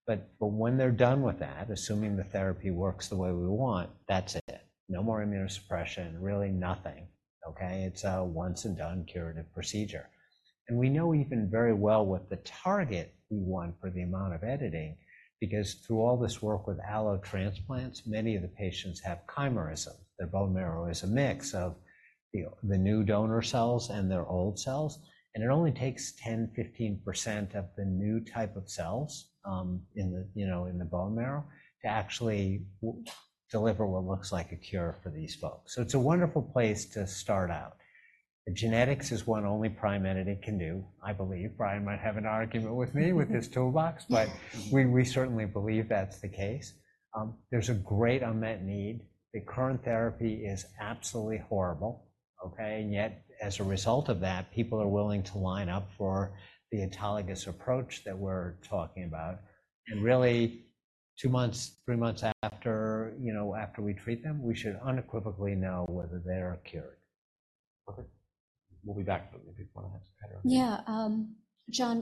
Speaker 3: But when they're done with that, assuming the therapy works the way we want, that's it. No more immunosuppression, really nothing, okay? It's a once-and-done curative procedure. And we know even very well what the target we want for the amount of editing because through all this work with allotransplants, many of the patients have chimerism. Their bone marrow is a mix of the new donor cells and their old cells. And it only takes 10%-15% of the new type of cells in the bone marrow to actually deliver what looks like a cure for these folks. So it's a wonderful place to start out. Genetics is one only prime editing can do, I believe. Brian might have an argument with me with this toolbox. But we certainly believe that's the case. There's a great unmet need. The current therapy is absolutely horrible, okay? And yet, as a result of that, people are willing to line up for the autologous approach that we're talking about. And really, two months, three months after we treat them, we should unequivocally know whether they are cured.
Speaker 1: Perfect. We'll be back if you want to have some better information.
Speaker 4: Yeah. John,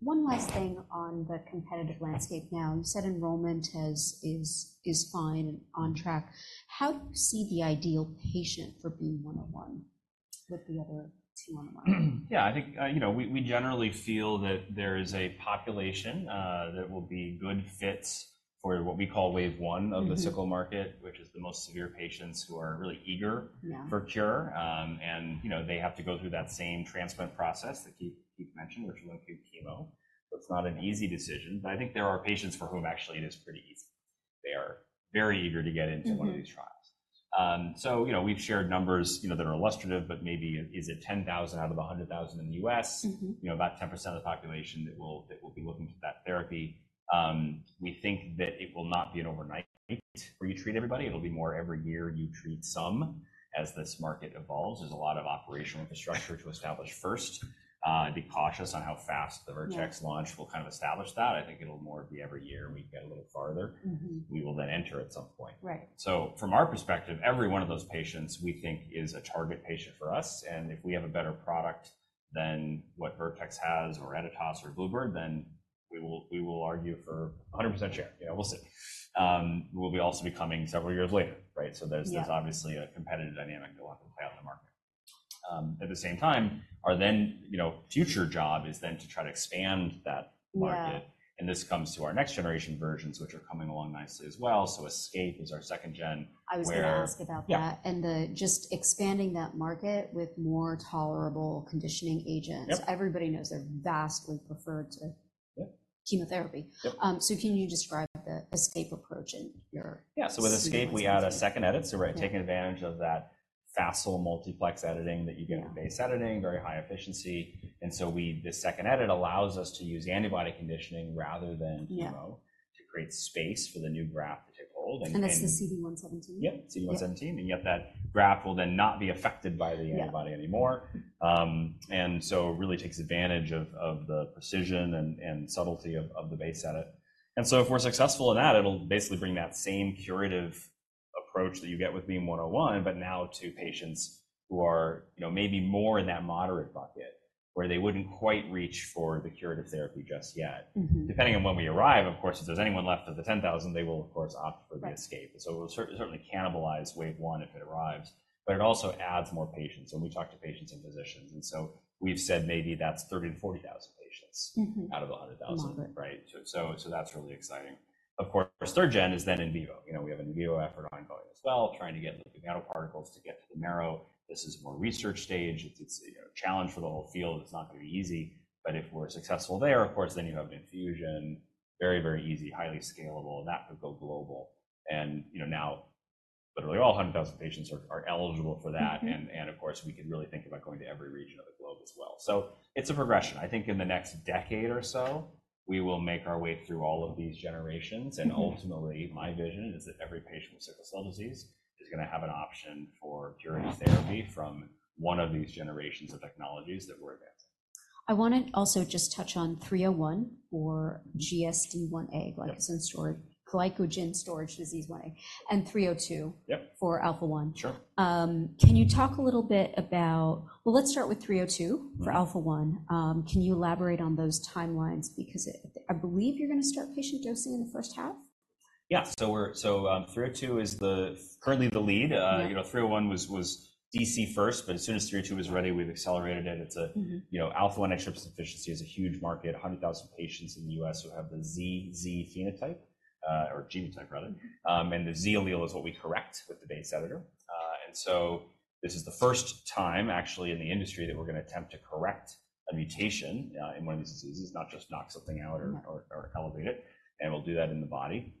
Speaker 4: one last thing on the competitive landscape now. You said enrollment is fine and on track. How do you see the ideal patient for BEAM-101 with the other two on the line?
Speaker 2: Yeah. I think we generally feel that there is a population that will be good fits for what we call wave one of the sickle market, which is the most severe patients who are really eager for cure. And they have to go through that same transplant process that Keith mentioned, which is myeloablative chemo. So it's not an easy decision. But I think there are patients for whom actually it is pretty easy. They are very eager to get into one of these trials. So we've shared numbers that are illustrative. But maybe is it 10,000 out of the 100,000 in the U.S., about 10% of the population that will be looking to that therapy? We think that it will not be an overnight fit where you treat everybody. It'll be more every year you treat some. As this market evolves, there's a lot of operational infrastructure to establish first. Be cautious on how fast the Vertex launch will kind of establish that. I think it'll more be every year we get a little farther. We will then enter at some point. So from our perspective, every one of those patients, we think, is a target patient for us. And if we have a better product than what Vertex has or Editas or Bluebird, then we will argue for 100% share. We'll see. We'll be also becoming several years later, right? So there's obviously a competitive dynamic that will have to play out in the market. At the same time, our then future job is then to try to expand that market. And this comes to our next-generation versions, which are coming along nicely as well. So ESCAPE is our second-gen where.
Speaker 4: I was going to ask about that and just expanding that market with more tolerable conditioning agents. Everybody knows they're vastly preferred to chemotherapy. So can you describe the ESCAPE approach in your.
Speaker 2: Yeah. So with ESCAPE, we add a second edit. So we're taking advantage of that facile multiplex editing that you get with base editing, very high efficiency. And so this second edit allows us to use antibody conditioning rather than chemo to create space for the new graft to take hold.
Speaker 4: That's the CD117?
Speaker 2: Yep, CD117. And yet, that graft will then not be affected by the antibody anymore. And so it really takes advantage of the precision and subtlety of the base edit. And so if we're successful in that, it'll basically bring that same curative approach that you get with BEAM-101, but now to patients who are maybe more in that moderate bucket where they wouldn't quite reach for the curative therapy just yet. Depending on when we arrive, of course, if there's anyone left of the 10,000, they will, of course, opt for the ESCAPE. And so we'll certainly cannibalize wave one if it arrives. But it also adds more patients. And we talk to patients and physicians. And so we've said maybe that's 30,000-40,000 patients out of the 100,000, right? So that's really exciting. Of course, third gen is then in vivo. We have an in vivo effort ongoing as well, trying to get nanoparticles to get to the marrow. This is more research stage. It's a challenge for the whole field. It's not going to be easy. But if we're successful there, of course, then you have an infusion, very, very easy, highly scalable. And that could go global. And now, literally, all 100,000 patients are eligible for that. And of course, we could really think about going to every region of the globe as well. So it's a progression. I think in the next decade or so, we will make our way through all of these generations. And ultimately, my vision is that every patient with sickle cell disease is going to have an option for curative therapy from one of these generations of technologies that we're advancing.
Speaker 4: I want to also just touch on 301 for GSD1a, glycogen storage disease 1a, and 302 for Alpha-1. Can you talk a little bit about well, let's start with 302 for Alpha-1. Can you elaborate on those timelines? Because I believe you're going to start patient dosing in the first half.
Speaker 2: Yeah. So 302 is currently the lead. 301 was DC first. But as soon as 302 was ready, we've accelerated it. Alpha-1 antitrypsin deficiency is a huge market, 100,000 patients in the U.S. who have the Z phenotype or genotype, rather. And the Z allele is what we correct with the base editor. And so this is the first time, actually, in the industry that we're going to attempt to correct a mutation in one of these diseases, not just knock something out or elevate it. And we'll do that in the body.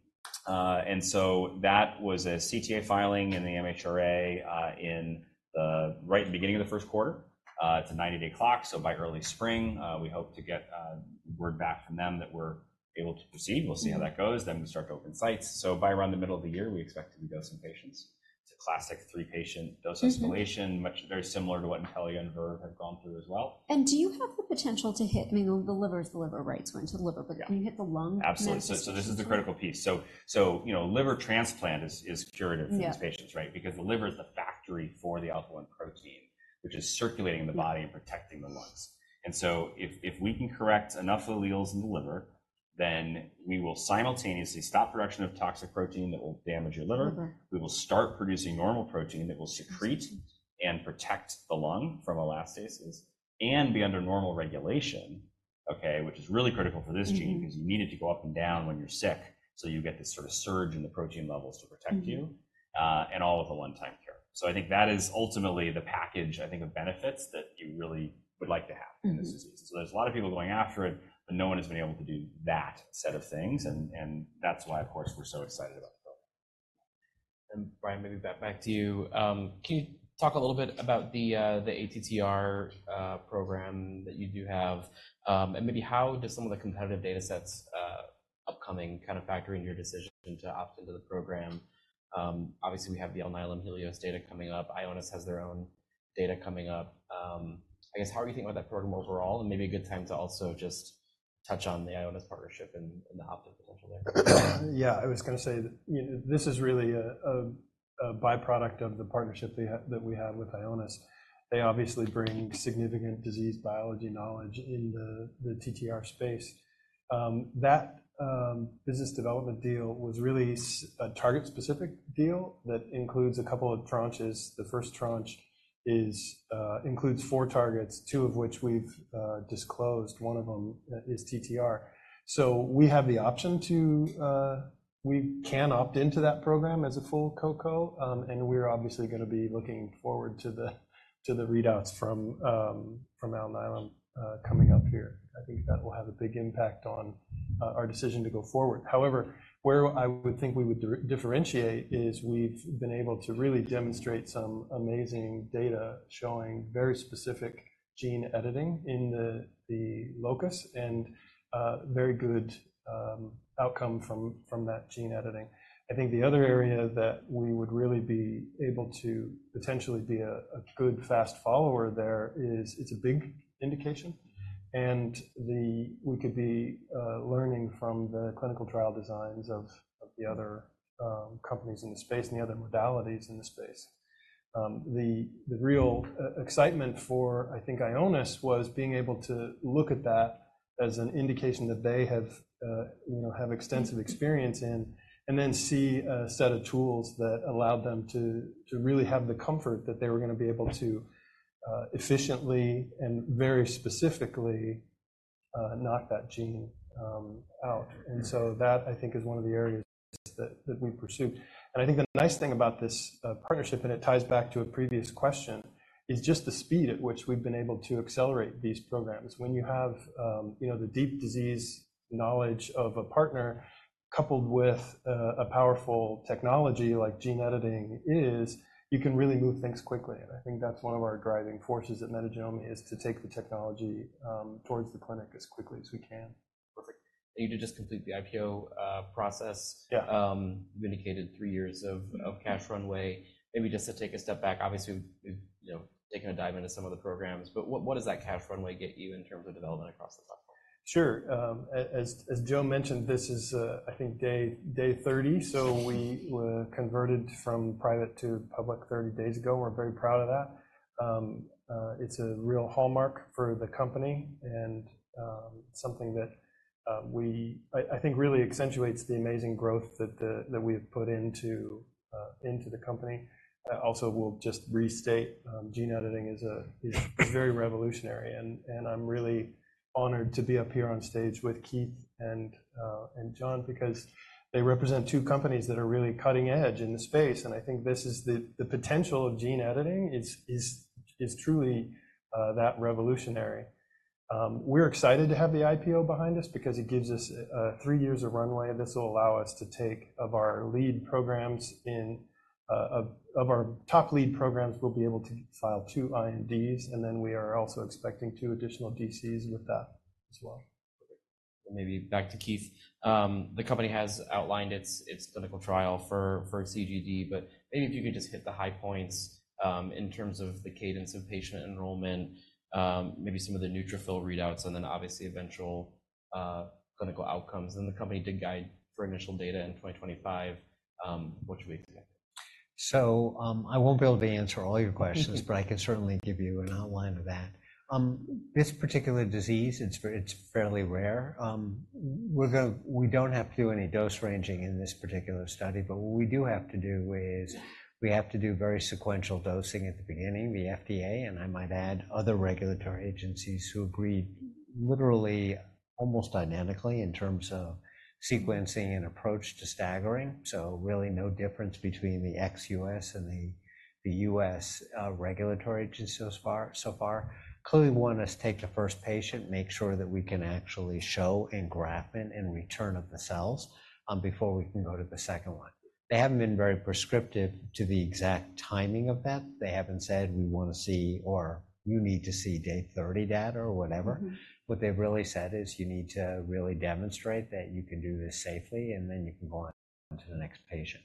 Speaker 2: And so that was a CTA filing in the MHRA right in the beginning of the first quarter. It's a 90-day clock. So by early spring, we hope to get word back from them that we're able to proceed. We'll see how that goes. Then we start to open sites. By around the middle of the year, we expect to be dosing patients to classic three-patient dose escalation, very similar to what Intellia and Verve have gone through as well.
Speaker 4: Do you have the potential to hit? I mean, the liver is the liver, right? So into the liver. But can you hit the lungs?
Speaker 2: Absolutely. So this is the critical piece. So liver transplant is curative for these patients, right? Because the liver is the factory for the Alpha-1 protein, which is circulating in the body and protecting the lungs. And so if we can correct enough alleles in the liver, then we will simultaneously stop production of toxic protein that will damage your liver. We will start producing normal protein that will secrete and protect the lung from elastases and be under normal regulation, okay, which is really critical for this gene because you need it to go up and down when you're sick. So you get this sort of surge in the protein levels to protect you and all of the one-time care. So I think that is ultimately the package, I think, of benefits that you really would like to have in this disease. So there's a lot of people going after it. But no one has been able to do that set of things. That's why, of course, we're so excited about the program.
Speaker 1: And Brian, maybe back to you. Can you talk a little bit about the ATTR program that you do have? And maybe how do some of the competitive data sets upcoming kind of factor in your decision to opt into the program? Obviously, we have the Alnylam HELIOS data coming up. Ionis has their own data coming up. I guess, how are you thinking about that program overall? And maybe a good time to also just touch on the Ionis partnership and the opt-in potential there.
Speaker 5: Yeah. I was going to say this is really a byproduct of the partnership that we have with Ionis. They obviously bring significant disease biology knowledge in the TTR space. That business development deal was really a target-specific deal that includes a couple of tranches. The first tranche includes four targets, two of which we've disclosed. One of them is TTR. So we have the option to opt into that program as a full co-co. And we're obviously going to be looking forward to the readouts from Alnylam coming up here. I think that will have a big impact on our decision to go forward. However, where I would think we would differentiate is we've been able to really demonstrate some amazing data showing very specific gene editing in the locus and very good outcome from that gene editing. I think the other area that we would really be able to potentially be a good, fast follower there is it's a big indication. And we could be learning from the clinical trial designs of the other companies in the space and the other modalities in the space. The real excitement for, I think, Ionis was being able to look at that as an indication that they have extensive experience in and then see a set of tools that allowed them to really have the comfort that they were going to be able to efficiently and very specifically knock that gene out. And so that, I think, is one of the areas that we pursued. And I think the nice thing about this partnership, and it ties back to a previous question, is just the speed at which we've been able to accelerate these programs. When you have the deep disease knowledge of a partner coupled with a powerful technology like gene editing, is, you can really move things quickly. And I think that's one of our driving forces at Metagenomi is to take the technology towards the clinic as quickly as we can.
Speaker 1: Perfect. And you did just complete the IPO process. You indicated three years of cash runway. Maybe just to take a step back, obviously, we've taken a dive into some of the programs. But what does that cash runway get you in terms of development across the platform?
Speaker 5: Sure. As Joe mentioned, this is, I think, day 30. We converted from private to public 30 days ago. We're very proud of that. It's a real hallmark for the company and something that, I think, really accentuates the amazing growth that we have put into the company. Also, we'll just restate, gene editing is very revolutionary. I'm really honored to be up here on stage with Keith and John because they represent two companies that are really cutting edge in the space. I think the potential of gene editing is truly that revolutionary. We're excited to have the IPO behind us because it gives us three years of runway. This will allow us to take of our lead programs in of our top lead programs, we'll be able to file two INDs. Then we are also expecting two additional DCs with that as well.
Speaker 1: Perfect. And maybe back to Keith. The company has outlined its clinical trial for CGD. But maybe if you could just hit the high points in terms of the cadence of patient enrollment, maybe some of the neutrophil readouts, and then obviously eventual clinical outcomes. And the company did guide for initial data in 2025. What should we expect?
Speaker 3: I won't be able to answer all your questions. I can certainly give you an outline of that. This particular disease, it's fairly rare. We don't have to do any dose ranging in this particular study. What we do have to do is we have to do very sequential dosing at the beginning, the FDA, and I might add other regulatory agencies who agreed literally almost dynamically in terms of sequencing and approach to staggering. Really no difference between the ex-U.S. and the U.S. regulatory agency so far. Clearly, we want to take the first patient, make sure that we can actually show engraftment and return of the cells before we can go to the second one. They haven't been very prescriptive to the exact timing of that. They haven't said, "We want to see," or, "You need to see day 30 data," or whatever. What they've really said is, "You need to really demonstrate that you can do this safely. And then you can go on to the next patient."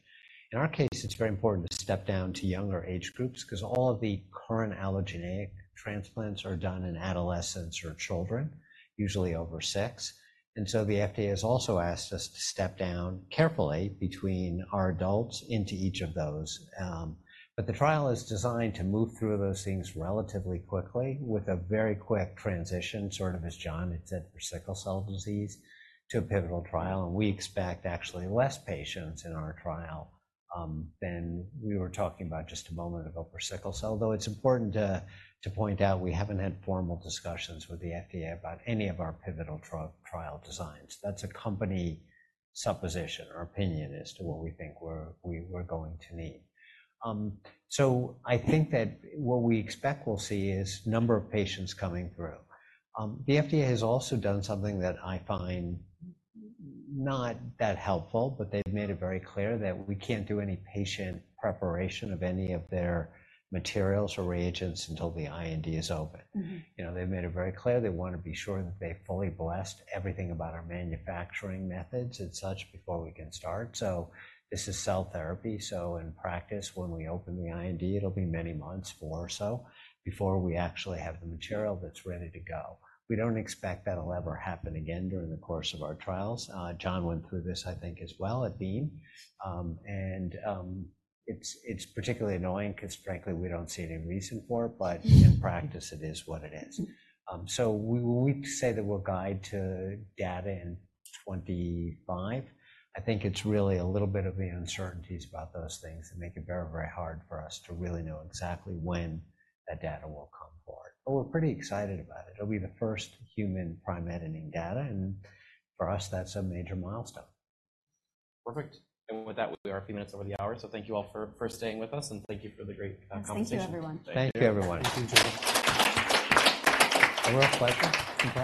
Speaker 3: In our case, it's very important to step down to younger age groups because all of the current allogeneic transplants are done in adolescents or children, usually over six. And so the FDA has also asked us to step down carefully between our adults into each of those. But the trial is designed to move through those things relatively quickly with a very quick transition, sort of as John had said, for sickle cell disease to a pivotal trial. And we expect actually less patients in our trial than we were talking about just a moment ago for sickle cell. Though it's important to point out, we haven't had formal discussions with the FDA about any of our pivotal trial designs. That's a company supposition, our opinion, as to what we think we're going to need. So I think that what we expect we'll see is a number of patients coming through. The FDA has also done something that I find not that helpful. But they've made it very clear that we can't do any patient preparation of any of their materials or reagents until the IND is open. They've made it very clear. They want to be sure that they fully blessed everything about our manufacturing methods and such before we can start. So this is cell therapy. So in practice, when we open the IND, it'll be many months or so before we actually have the material that's ready to go. We don't expect that'll ever happen again during the course of our trials. John went through this, I think, as well at Beam. And it's particularly annoying because, frankly, we don't see any reason for it. But in practice, it is what it is. So when we say that we'll guide to data in 2025, I think it's really a little bit of the uncertainties about those things that make it very, very hard for us to really know exactly when that data will come forward. But we're pretty excited about it. It'll be the first human prime editing data. And for us, that's a major milestone.
Speaker 1: Perfect. With that, we are a few minutes over the hour. Thank you all for staying with us. Thank you for the great conversation.
Speaker 4: Thank you, everyone.
Speaker 3: Thank you, everyone.
Speaker 5: Thank you, Joe.
Speaker 2: A real pleasure.